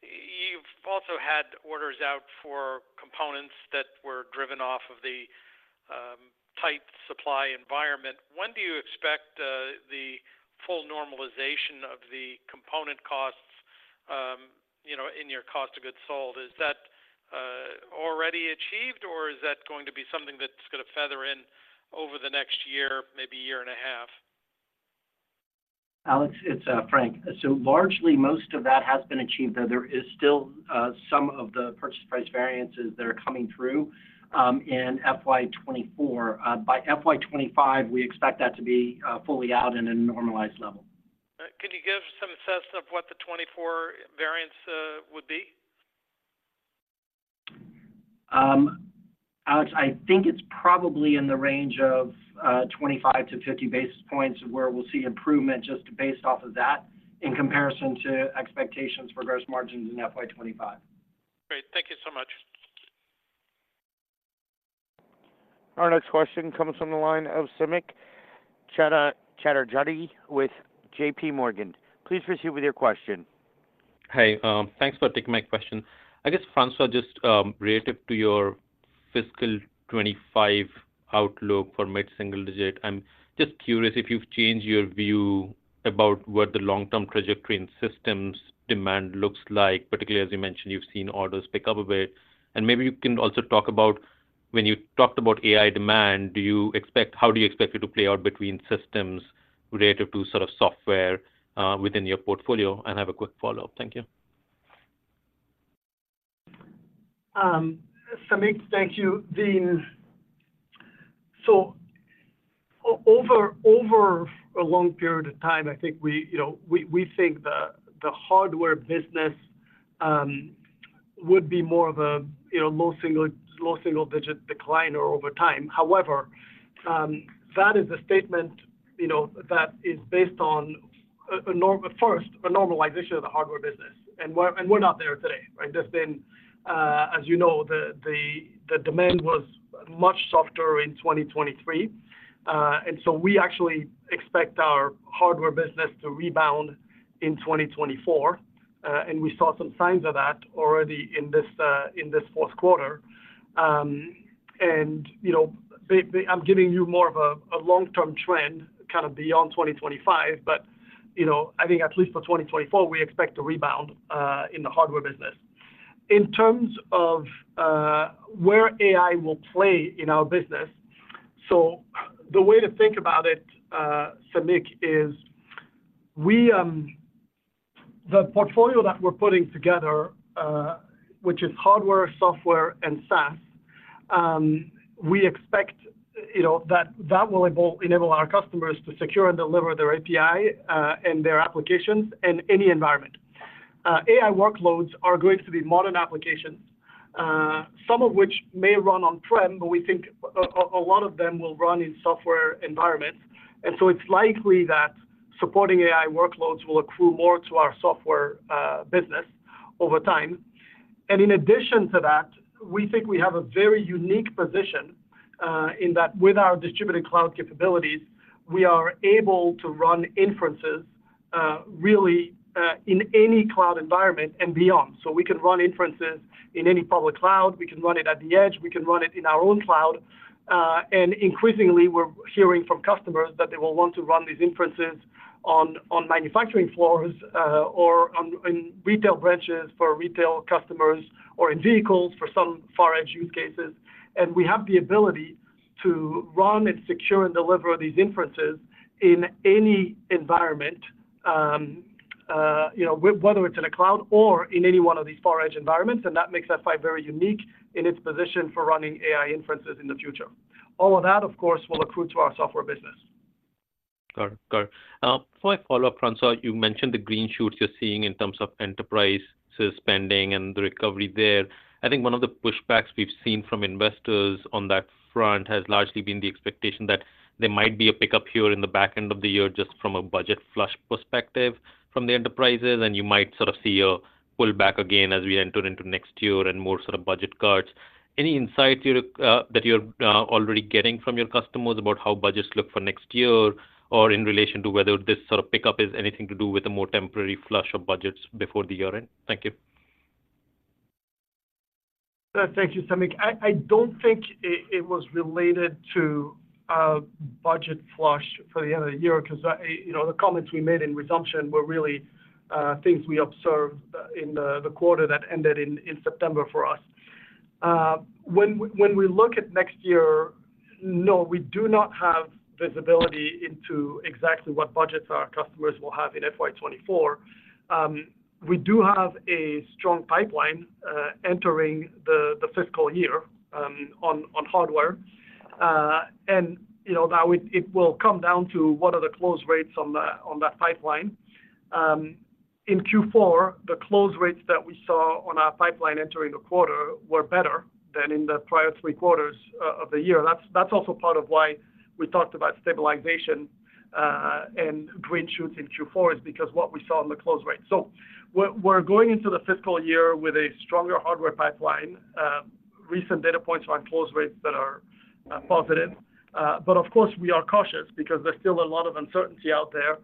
you've also had orders out for components that were driven off of the tight supply environment. When do you expect the full normalization of the component costs, you know, in your cost of goods sold? Is that already achieved, or is that going to be something that's gonna feather in over the next year, maybe a year and a half? Alex, it's Frank. Largely, most of that has been achieved, though there is still some of the purchase price variances that are coming through in FY 2024. By FY 2025, we expect that to be fully out in a normalized level. Could you give some sense of what the 2024 variance would be? Alex, I think it's probably in the range of 25-50 basis points where we'll see improvement just based off of that, in comparison to expectations for gross margins in FY 2025. Great. Thank you so much. Our next question comes from the line of Samik Chatterjee with JPMorgan. Please proceed with your question. Hey, thanks for taking my question. I guess, François, just related to your fiscal 2025 outlook for mid-single digit, I'm just curious if you've changed your view about what the long-term trajectory in systems demand looks like, particularly as you mentioned, you've seen orders pick up a bit. And maybe you can also talk about when you talked about AI demand, do you expect—how do you expect it to play out between systems related to sort of software within your portfolio? And I have a quick follow-up. Thank you. Samik, thank you. So over a long period of time, I think we, you know, think the hardware business would be more of a, you know, low single-digit decliner over time. However, that is a statement, you know, that is based on first a normalization of the hardware business, and we're not there today, right? Just as you know, the demand was much softer in 2023. And so we actually expect our hardware business to rebound in 2024, and we saw some signs of that already in this fourth quarter. And, you know, I'm giving you more of a long-term trend, kind of beyond 2025, but, you know, I think at least for 2024, we expect to rebound in the hardware business. In terms of where AI will play in our business, so the way to think about it, Samik, is we. The portfolio that we're putting together, which is hardware, software, and SaaS, we expect, you know, that that will enable our customers to secure and deliver their API and their applications in any environment. AI workloads are going to be modern applications, some of which may run on prem, but we think a lot of them will run in software environments. And so it's likely that supporting AI workloads will accrue more to our software business over time. In addition to that, we think we have a very unique position, in that with our Distributed Cloud capabilities, we are able to run inferences, really, in any cloud environment and beyond. So we can run inferences in any public cloud, we can run it at the edge, we can run it in our own cloud. And increasingly, we're hearing from customers that they will want to run these inferences on manufacturing floors, or in retail branches for retail customers, or in vehicles for some far-edge use cases. And we have the ability to run and secure and deliver these inferences in any environment, you know, whether it's in a cloud or in any one of these far-edge environments, and that makes F5 very unique in its position for running AI inferences in the future. All of that, of course, will accrue to our software business. Got it, got it. Before I follow up, François, you mentioned the green shoots you're seeing in terms of enterprise spending and the recovery there. I think one of the pushbacks we've seen from investors on that front has largely been the expectation that there might be a pickup here in the back end of the year, just from a budget flush perspective from the enterprises, and you might sort of see a pullback again as we enter into next year and more sort of budget cuts. Any insight you're that you're already getting from your customers about how budgets look for next year, or in relation to whether this sort of pickup is anything to do with a more temporary flush of budgets before the year-end? Thank you. Thank you, Samik. I don't think it was related to budget flush for the end of the year, 'cause, you know, the comments we made in resumption were really things we observed in the quarter that ended in September for us. When we look at next year, no, we do not have visibility into exactly what budgets our customers will have in FY 2024. We do have a strong pipeline entering the fiscal year on hardware. And you know, that will come down to what the close rates are on that pipeline. In Q4, the close rates that we saw on our pipeline entering the quarter were better than in the prior three quarters of the year. That's also part of why we talked about stabilization and green shoots in Q4 is because what we saw in the close rate. So we're going into the fiscal year with a stronger hardware pipeline, recent data points on close rates that are positive. But of course, we are cautious because there's still a lot of uncertainty out there,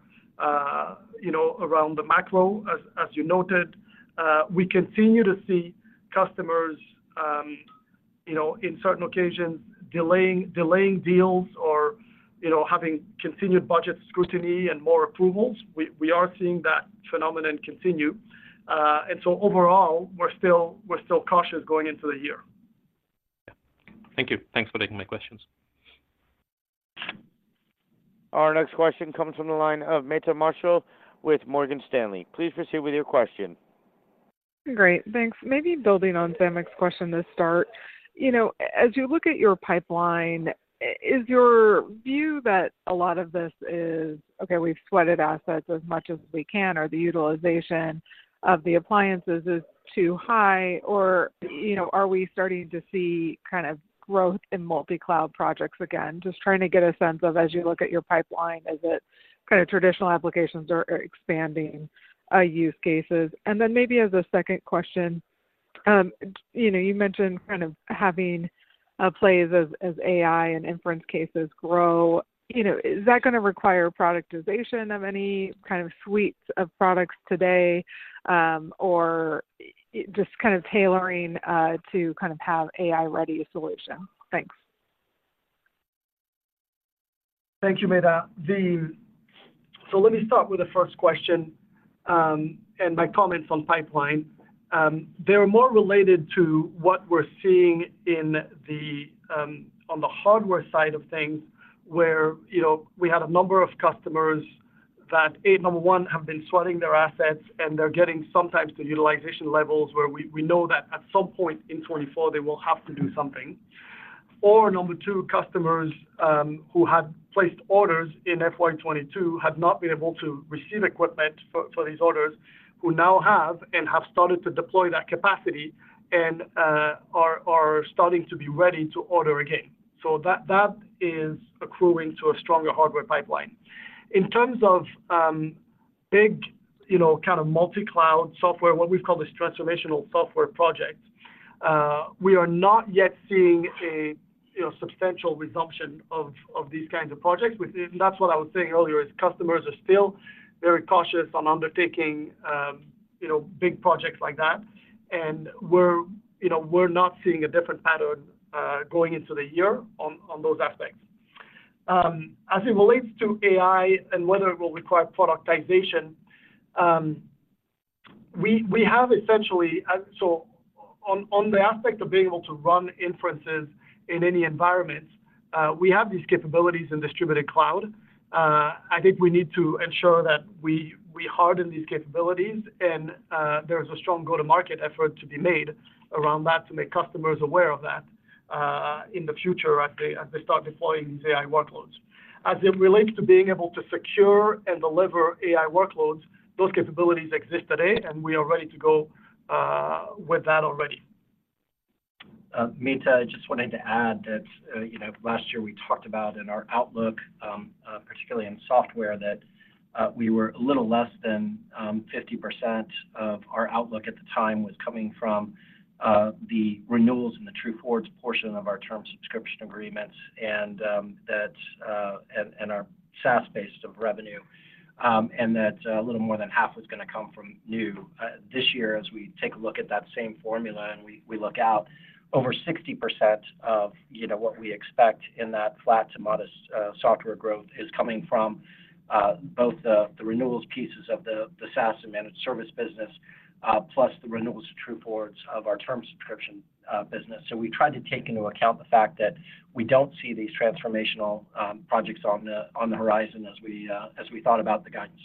you know, around the macro, as you noted. We continue to see customers, you know, in certain occasions, delaying deals or, you know, having continued budget scrutiny and more approvals. We are seeing that phenomenon continue. And so overall, we're still cautious going into the year. Yeah. Thank you. Thanks for taking my questions. Our next question comes from the line of Meta Marshall with Morgan Stanley. Please proceed with your question. Great. Thanks. Maybe building on Samik's question to start, you know, as you look at your pipeline, is your view that a lot of this is: okay, we've sweated assets as much as we can, or the utilization of the appliances is too high, or, you know, are we starting to see kind of growth in multi-cloud projects again? Just trying to get a sense of, as you look at your pipeline, is it kind of traditional applications or, or expanding use cases. And then maybe as a second question, you know, you mentioned kind of having plays as AI and inference cases grow. You know, is that gonna require productization of any kind of suites of products today, or just kind of tailoring to kind of have AI-ready solution? Thanks. Thank you, Meta. So let me start with the first question, and my comments on pipeline. They're more related to what we're seeing in the on the hardware side of things, where, you know, we had a number of customers that, A, number one, have been sweating their assets, and they're getting sometimes to utilization levels where we know that at some point in 2024, they will have to do something. Or number two, customers who had placed orders in FY 2022, had not been able to receive equipment for these orders, who now have, and have started to deploy that capacity and are starting to be ready to order again. So that is accruing to a stronger hardware pipeline. In terms of big, you know, kind of multi-cloud software, what we call this transformational software project, we are not yet seeing a, you know, substantial resumption of these kinds of projects. Which is and that's what I was saying earlier, is customers are still very cautious on undertaking, you know, big projects like that, and we're, you know, we're not seeing a different pattern going into the year on those aspects. As it relates to AI and whether it will require productization, we have essentially. So on the aspect of being able to run inferences in any environment, we have these capabilities in Distributed Cloud. I think we need to ensure that we, we harden these capabilities and, there is a strong go-to-market effort to be made around that to make customers aware of that, in the future as they, as they start deploying these AI workloads. As it relates to being able to secure and deliver AI workloads, those capabilities exist today, and we are ready to go, with that already. Meta, I just wanted to add that, you know, last year we talked about in our outlook, particularly in software, that we were a little less than 50% of our outlook at the time was coming from the renewals and the True Forwards portion of our term subscription agreements, and that, and our SaaS base of revenue, and that a little more than half was gonna come from new. This year, as we take a look at that same formula and we look out, over 60% of what we expect in that flat to modest software growth, is coming from both the renewals pieces of the SaaS & Managed Service business, plus the renewals of True Forwards of our term subscription business. We tried to take into account the fact that we don't see these transformational projects on the horizon as we thought about the guidance.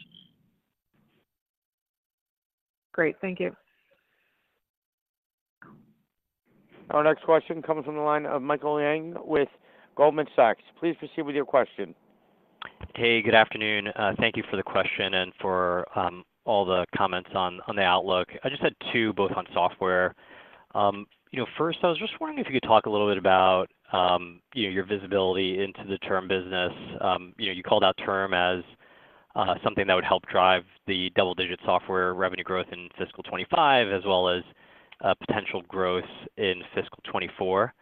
Great. Thank you. Our next question comes from the line of Michael Ng with Goldman Sachs. Please proceed with your question. Hey, good afternoon. Thank you for the question and for all the comments on the outlook. I just had two, both on software. You know, first, I was just wondering if you could talk a little bit about, you know, your visibility into the term business. You know, you called out term as something that would help drive the double-digit software revenue growth in fiscal 2025, as well as potential growth in fiscal 2024.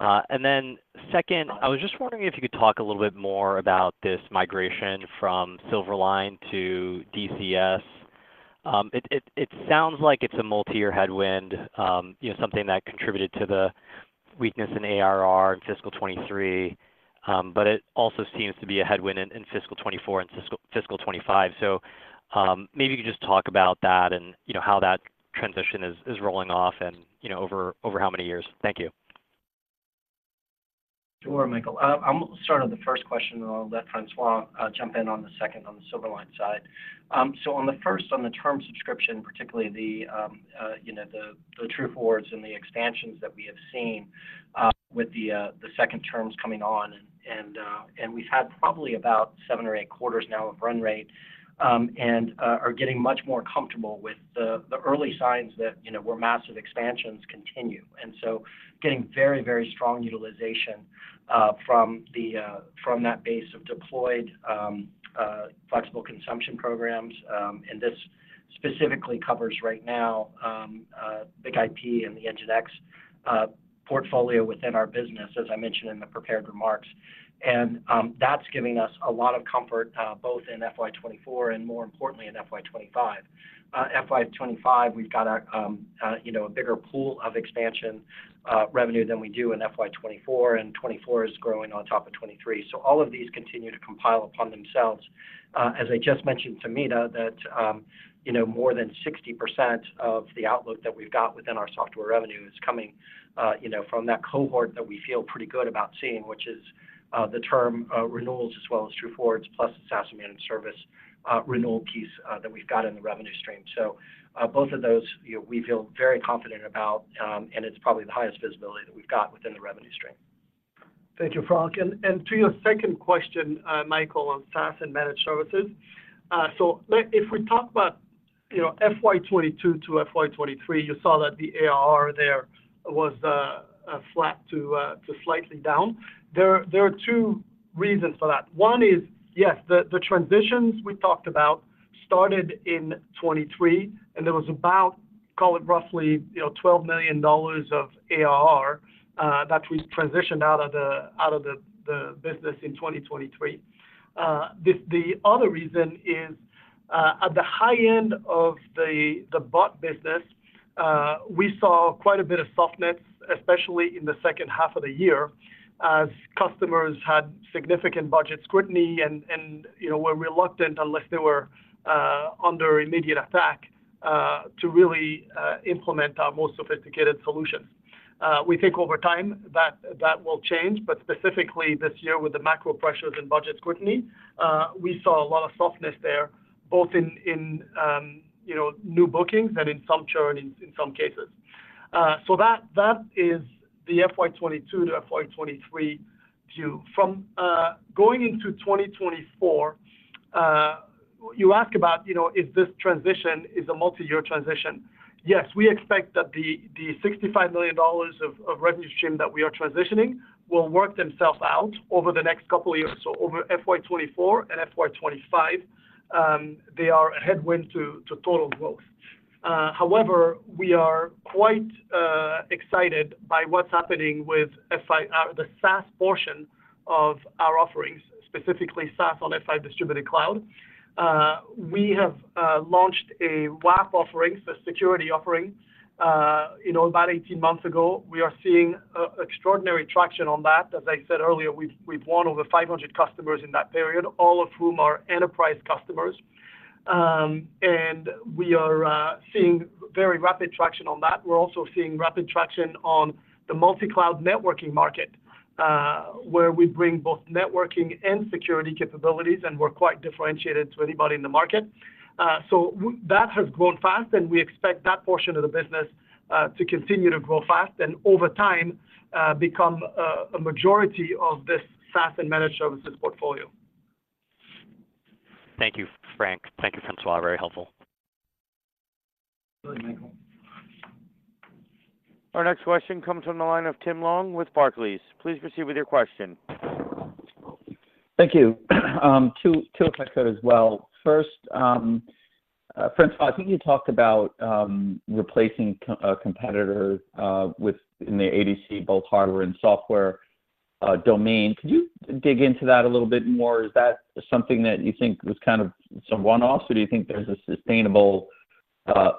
And then second, I was just wondering if you could talk a little bit more about this migration from Silverline to DCS. It sounds like it's a multi-year headwind, you know, something that contributed to the weakness in ARR in fiscal 2023, but it also seems to be a headwind in fiscal 2024 and fiscal 2025. Maybe you could just talk about that and, you know, how that transition is rolling off and, you know, over how many years. Thank you. Sure, Michael. I'm sort of the first question, and I'll let François jump in on the second on the Silverline side. So on the first, on the term subscription, particularly the, you know, the True Forwards and the expansions that we have seen, with the second terms coming on, and we've had probably about seven or eight quarters now of run rate, and are getting much more comfortable with the early signs that, you know, where massive expansions continue. And so getting very, very strong utilization from that base of deployed flexible consumption programs, and this specifically covers right now BIG-IP and the NGINX portfolio within our business, as I mentioned in the prepared remarks. That's giving us a lot of comfort, both in FY 2024 and more importantly, in FY 2025. FY 2025, we've got a, you know, a bigger pool of expansion, revenue than we do in FY 2024, and 2024 is growing on top of 2023. So all of these continue to compile upon themselves. As I just mentioned to Meta, that, you know, more than 60% of the outlook that we've got within our software revenue is coming, you know, from that cohort that we feel pretty good about seeing, which is, the term, renewals as well as True Forwards, plus SaaS Managed Service, renewal piece, that we've got in the revenue stream. So, both of those, you know, we feel very confident about, and it's probably the highest visibility that we've got within the revenue stream. Thank you, Frank. To your second question, Michael, on SaaS & Managed Services. So if we talk about, you know, FY 2022 to FY 2023, you saw that the ARR there was flat to slightly down. There are two reasons for that. One is, yes, the transitions we talked about started in 2023, and there was about, call it roughly, you know, $12 million of ARR that we transitioned out of the business in 2023. The other reason is at the high end of the bot business we saw quite a bit of softness, especially in the second half of the year, as customers had significant budget scrutiny and, you know, were reluctant unless they were under immediate attack to really implement our more sophisticated solutions. We think over time that that will change, but specifically this year, with the macro pressures and budget scrutiny, we saw a lot of softness there, both in you know new bookings and in some churn in some cases. So that is the FY 2022 to FY 2023 view. From going into 2024, you ask about, you know, is this transition a multi-year transition? Yes, we expect that the $65 million of revenue stream that we are transitioning will work themselves out over the next couple of years. So over FY 2024 and FY 2025, they are a headwind to total growth. However, we are quite excited by what's happening with the SaaS portion of our offerings, specifically SaaS on F5 Distributed Cloud. We have launched a WAF offering, a security offering, you know, about 18 months ago. We are seeing extraordinary traction on that. As I said earlier, we've won over 500 customers in that period, all of whom are enterprise customers. And we are seeing very rapid traction on that. We're also seeing rapid traction on the multi-cloud networking market, where we bring both networking and security capabilities, and we're quite differentiated to anybody in the market. So that has grown fast, and we expect that portion of the business to continue to grow fast, and over time, become a majority of this SaaS & Managed Services portfolio. Thank you, Frank. Thank you, François. Very helpful. Thank you, Michael. Our next question comes from the line of Tim Long with Barclays. Please proceed with your question. Thank you. Two, too if I could as well. First, François, I think you talked about replacing a competitor in the ADC, both hardware and software, domain. Could you dig into that a little bit more? Is that something that you think was kind of some one-off, or do you think there's a sustainable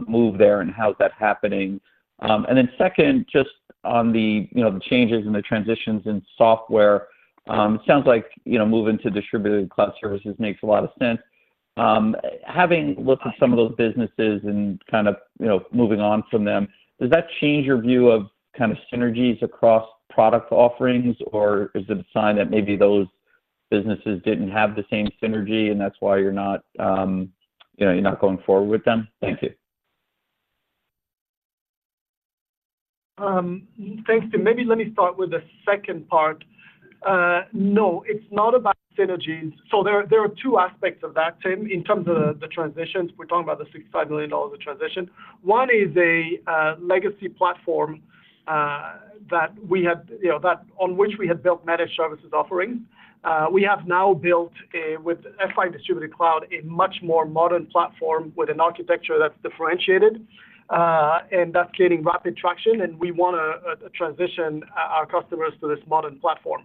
move there, and how is that happening? And then second, just on the, you know, the changes and the transitions in software, it sounds like, you know, moving to Distributed Cloud Services makes a lot of sense. Having looked at some of those businesses and kind of, you know, moving on from them, does that change your view of kind of synergies across product offerings, or is it a sign that maybe those businesses didn't have the same synergy, and that's why you're not, you know, you're not going forward with them? Thank you. Thanks, Tim. Maybe let me start with the second part. No, it's not about synergies. So there are two aspects of that, Tim, in terms of the transitions. We're talking about the $65 million of the transition. One is a legacy platform that we had—you know, that on which we had built Managed Services offerings. We have now built a with F5 Distributed Cloud a much more modern platform with an architecture that's differentiated and that's gaining rapid traction, and we wanna transition our customers to this modern platform.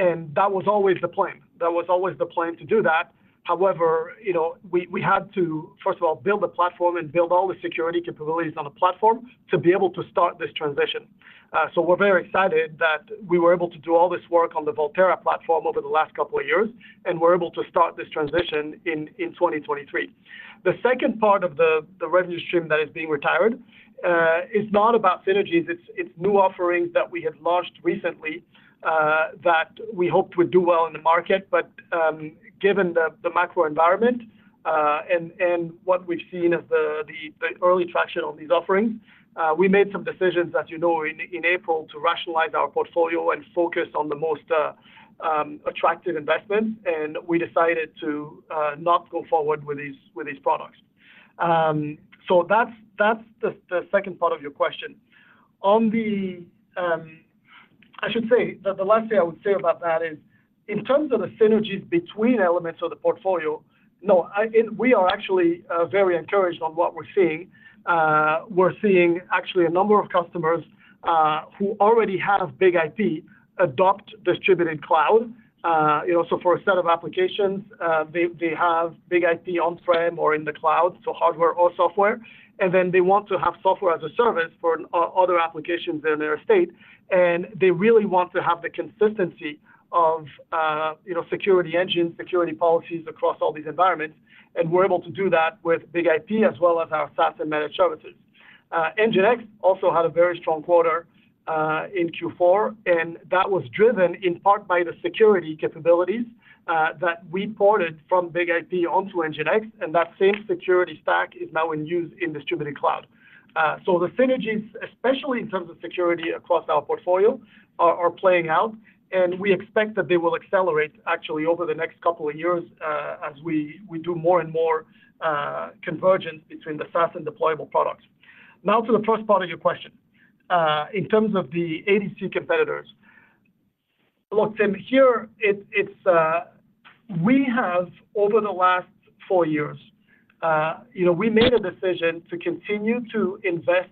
And that was always the plan. That was always the plan to do that. However, you know, we had to first of all build the platform and build all the security capabilities on the platform to be able to start this transition. So we're very excited that we were able to do all this work on the Volterra platform over the last couple of years, and we're able to start this transition in 2023. The second part of the revenue stream that is being retired is not about synergies, it's new offerings that we have launched recently that we hoped would do well in the market. But given the macro environment and what we've seen of the early traction on these offerings, we made some decisions, as you know, in April, to rationalize our portfolio and focus on the most attractive investments, and we decided to not go forward with these products. So that's the second part of your question. On the, I should say, that the last thing I would say about that is, in terms of the synergies between elements of the portfolio, no, I-- and we are actually very encouraged on what we're seeing. We're seeing actually a number of customers who already have BIG-IP, adopt Distributed Cloud. You know, so for a set of applications, they, they have BIG-IP on-prem or in the cloud, so hardware or software, and then they want to have Software as a Service for other applications in their estate. And they really want to have the consistency of, you know, security engines, security policies across all these environments. And we're able to do that with BIG-IP, as well as our SaaS & Managed Services. NGINX also had a very strong quarter in Q4, and that was driven in part by the security capabilities that we ported from BIG-IP onto NGINX, and that same security stack is now in use in Distributed Cloud. So the synergies, especially in terms of security across our portfolio, are playing out, and we expect that they will accelerate actually over the next couple of years as we do more and more convergence between the SaaS and deployable products. Now to the first part of your question in terms of the ADC competitors. Look, Tim, here, it's... We have, over the last four years, you know, we made a decision to continue to invest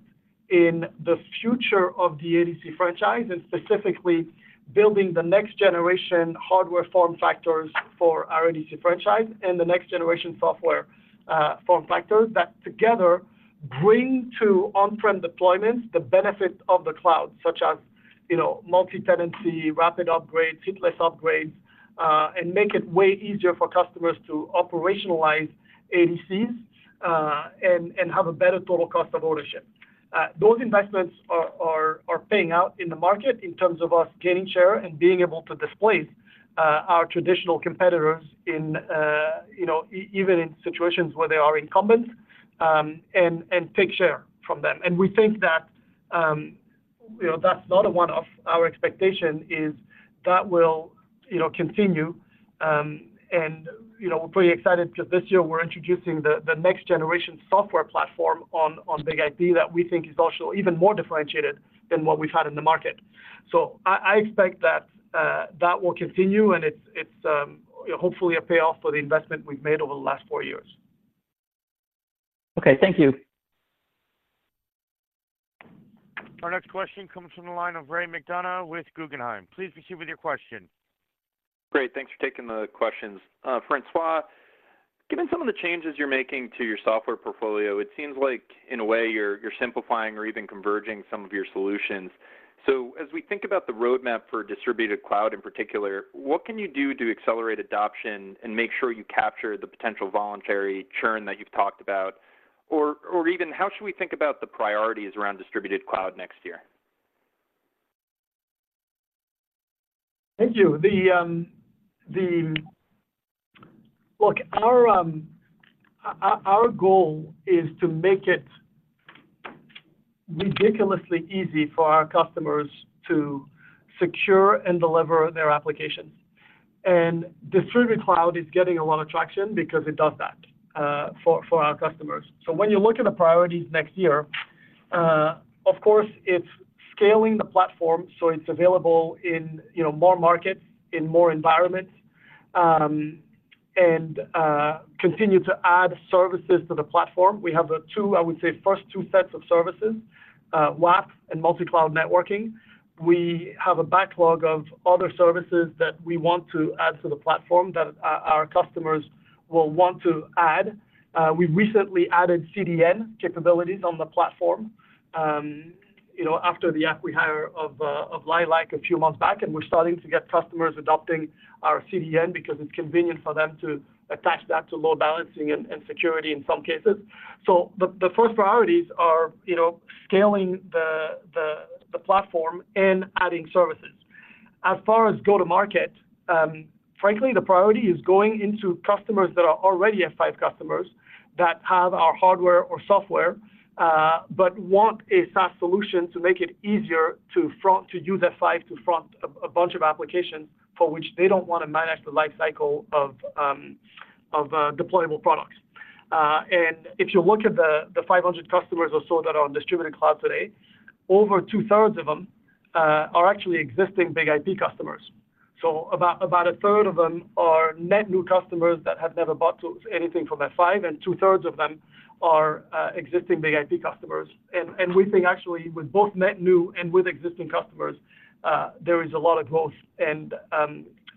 in the future of the ADC franchise, and specifically building the next generation hardware form factors for our ADC franchise and the next generation software form factors that together bring to on-prem deployments the benefit of the cloud, such as, you know, multi-tenancy, rapid upgrades, hitless upgrades, and make it way easier for customers to operationalize ADCs, and have a better total cost of ownership. Those investments are paying out in the market in terms of us gaining share and being able to displace our traditional competitors in, you know, even in situations where they are incumbents, and take share from them. And we think that, you know, that's not a one-off. Our expectation is that will, you know, continue. You know, we're pretty excited because this year we're introducing the next generation software platform on BIG-IP that we think is also even more differentiated than what we've had in the market. So I expect that will continue, and it's hopefully a payoff for the investment we've made over the last four years. Okay, thank you. Our next question comes from the line of Ray McDonough with Guggenheim. Please proceed with your question. Great, thanks for taking the questions. François, given some of the changes you're making to your software portfolio, it seems like in a way you're simplifying or even converging some of your solutions. So as we think about the roadmap for Distributed Cloud in particular, what can you do to accelerate adoption and make sure you capture the potential voluntary churn that you've talked about? Or even how should we think about the priorities around Distributed Cloud next year? Thank you. Look, our goal is to make it ridiculously easy for our customers to secure and deliver their applications. And Distributed Cloud is getting a lot of traction because it does that for our customers. So when you look at the priorities next year, of course, it's scaling the platform, so it's available in, you know, more markets, in more environments, and continue to add services to the platform. We have the two, I would say, first two sets of services, WAF and multi-cloud networking. We have a backlog of other services that we want to add to the platform that our customers will want to add. We recently added CDN capabilities on the platform, you know, after the acqui-hire of Lilac a few months back, and we're starting to get customers adopting our CDN because it's convenient for them to attach that to load balancing and security in some cases. So the first priorities are, you know, scaling the platform and adding services. As far as go-to-market, frankly, the priority is going into customers that are already F5 customers that have our hardware or software, but want a SaaS solution to make it easier to use F5 to front a bunch of applications for which they don't wanna manage the life cycle of deployable products. And if you look at the 500 customers or so that are on Distributed Cloud today, over 2/3 of them are actually existing BIG-IP customers. So about 1/3 of them are net new customers that have never bought anything from F5, and 2/3 of them are existing BIG-IP customers. And we think actually with both net new and with existing customers, there is a lot of growth, and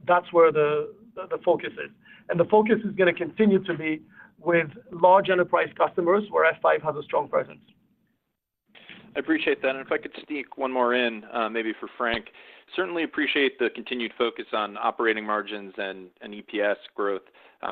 that's where the focus is. The focus is gonna continue to be with large enterprise customers, where F5 has a strong presence. I appreciate that. And if I could sneak one more in, maybe for Frank. Certainly appreciate the continued focus on operating margins and, and EPS growth.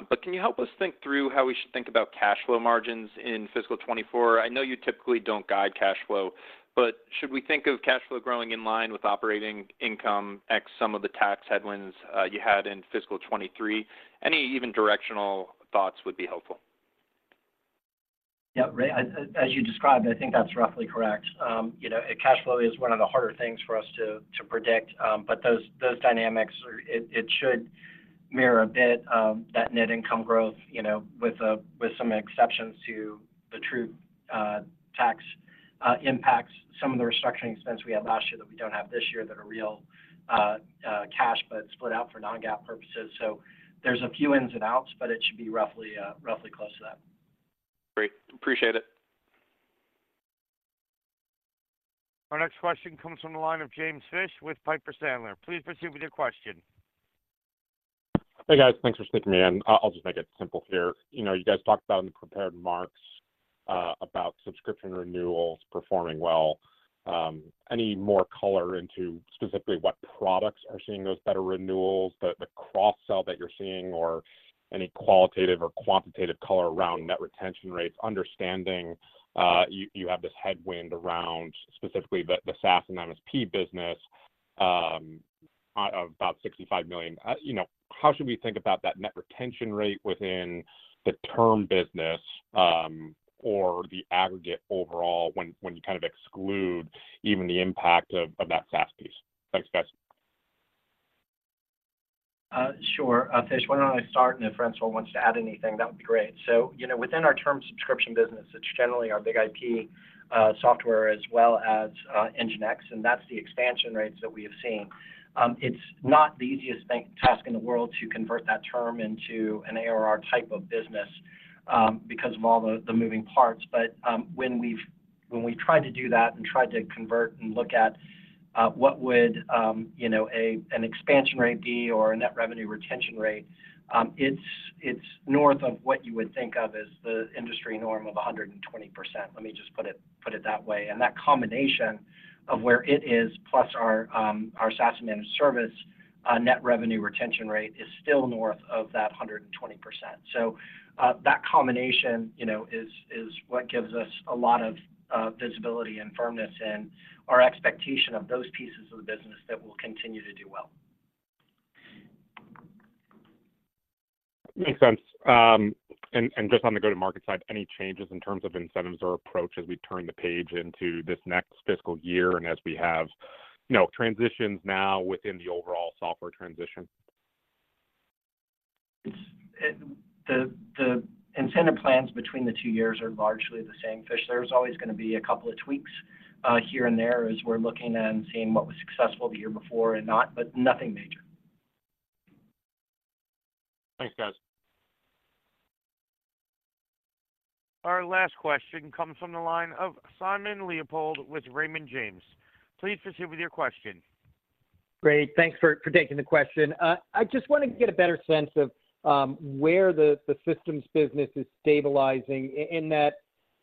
But can you help us think through how we should think about cash flow margins in fiscal 2024? I know you typically don't guide cash flow, but should we think of cash flow growing in line with operating income X some of the tax headwinds, you had in fiscal 2023? Any even directional thoughts would be helpful. Yeah, Ray, as you described, I think that's roughly correct. You know, cash flow is one of the harder things for us to predict, but those dynamics are—it should mirror a bit that net income growth, you know, with some exceptions to the true tax impacts, some of the restructuring expense we had last year that we don't have this year, that are real cash, but split out for non-GAAP purposes. So there's a few ins and outs, but it should be roughly close to that. Great. Appreciate it. Our next question comes from the line of James Fish with Piper Sandler. Please proceed with your question. Hey, guys. Thanks for sneaking me in. I'll just make it simple here. You know, you guys talked about in the prepared remarks about subscription renewals performing well. Any more color into specifically what products are seeing those better renewals, the cross-sell that you're seeing, or any qualitative or quantitative color around net retention rates? Understanding you have this headwind around specifically the SaaS and MSP business about $65 million. You know, how should we think about that net retention rate within the term business or the aggregate overall when you kind of exclude even the impact of that SaaS piece? Thanks, guys. Sure, Fish, why don't I start, and if François wants to add anything, that would be great. So, you know, within our term subscription business, it's generally our BIG-IP software as well as NGINX, and that's the expansion rates that we have seen. It's not the easiest task in the world to convert that term into an ARR type of business, because of all the moving parts. But, when we tried to do that and tried to convert and look at what would, you know, an expansion rate be or a net revenue retention rate, it's north of what you would think of as the industry norm of 120%. Let me just put it that way. That combination of where it is, plus our SaaS Managed Service net revenue retention rate, is still north of 120%. So, that combination, you know, is what gives us a lot of visibility and firmness in our expectation of those pieces of the business that will continue to do well. Makes sense. Just on the go-to-market side, any changes in terms of incentives or approach as we turn the page into this next fiscal year and as we have, you know, transitions now within the overall software transition? It's the incentive plans between the two years are largely the same, Fish. There's always gonna be a couple of tweaks here and there as we're looking and seeing what was successful the year before and not, but nothing major. Thanks, guys. Our last question comes from the line of Simon Leopold with Raymond James. Please proceed with your question. Great. Thanks for taking the question. I just wanted to get a better sense of where the systems business is stabilizing in that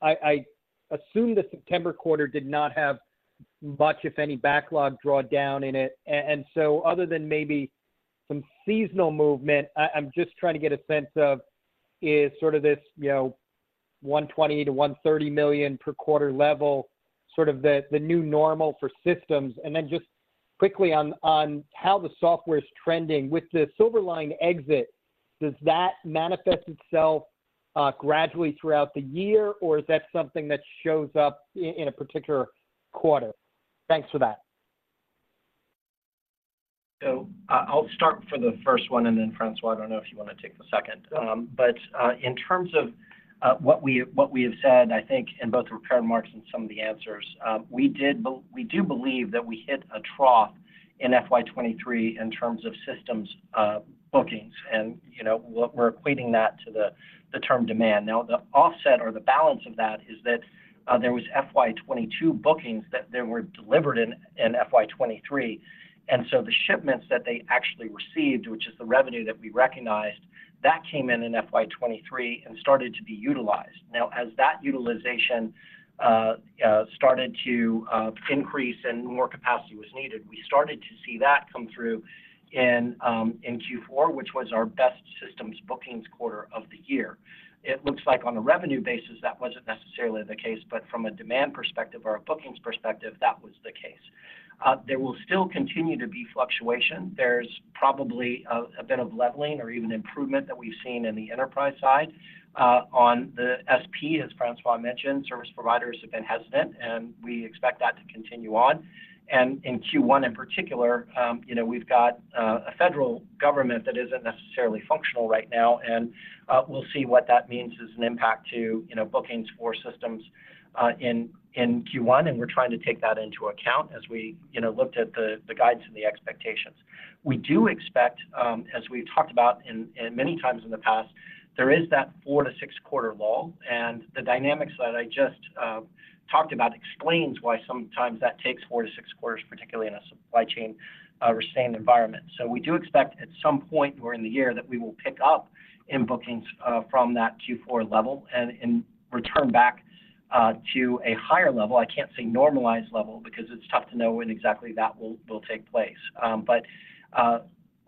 I assume the September quarter did not have much, if any, backlog drawdown in it. And so other than maybe some seasonal movement, I'm just trying to get a sense of is sort of this, you know, $120 million-$130 million per quarter level, sort of the new normal for systems. And then just quickly on how the software is trending. With the Silverline exit, does that manifest itself gradually throughout the year, or is that something that shows up in a particular quarter? Thanks for that. So I'll start for the first one, and then, François, I don't know if you wanna take the second. But in terms of what we have said, I think in both the prepared remarks and some of the answers, we do believe that we hit a trough in FY 2023 in terms of systems bookings. And, you know, what we're equating that to the term demand. Now, the offset or the balance of that is that there was FY 2022 bookings that then were delivered in FY 2023, and so the shipments that they actually received, which is the revenue that we recognized, that came in in FY 2023 and started to be utilized. Now, as that utilization started to increase and more capacity was needed, we started to see that come through in Q4, which was our best systems bookings quarter of the year. It looks like on a revenue basis, that wasn't necessarily the case, but from a demand perspective or a bookings perspective, that was the case. There will still continue to be fluctuation. There's probably a bit of leveling or even improvement that we've seen in the enterprise side. On the SP, as François mentioned, service providers have been hesitant, and we expect that to continue on. In Q1, in particular, you know, we've got a federal government that isn't necessarily functional right now, and we'll see what that means as an impact to, you know, bookings for systems in Q1, and we're trying to take that into account as we, you know, looked at the guides and the expectations. We do expect, as we've talked about in many times in the past, there is that four to six quarter lull, and the dynamics that I just talked about explains why sometimes that takes four to six quarters, particularly in a supply chain restrained environment. So we do expect, at some point during the year, that we will pick up in bookings from that Q4 level and return back to a higher level. I can't say normalized level because it's tough to know when exactly that will take place. But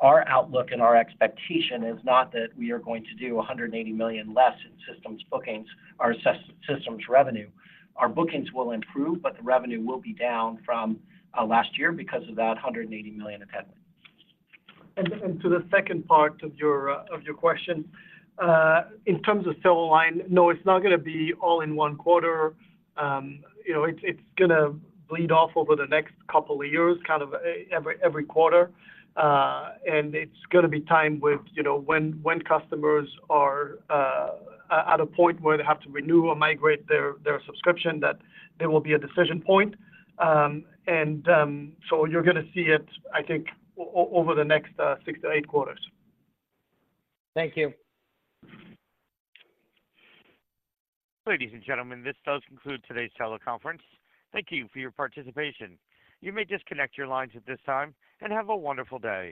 our outlook and our expectation is not that we are going to do $180 million less in systems bookings or systems revenue. Our bookings will improve, but the revenue will be down from last year because of that $180 million of headwind. To the second part of your question, in terms of Silverline, no, it's not gonna be all in one quarter. You know, it's gonna bleed off over the next couple of years, kind of every quarter. And it's gonna be timed with, you know, when customers are at a point where they have to renew or migrate their subscription, that there will be a decision point. And so you're gonna see it, I think, over the next six to eight quarters. Thank you. Ladies and gentlemen, this does conclude today's teleconference. Thank you for your participation. You may disconnect your lines at this time, and have a wonderful day.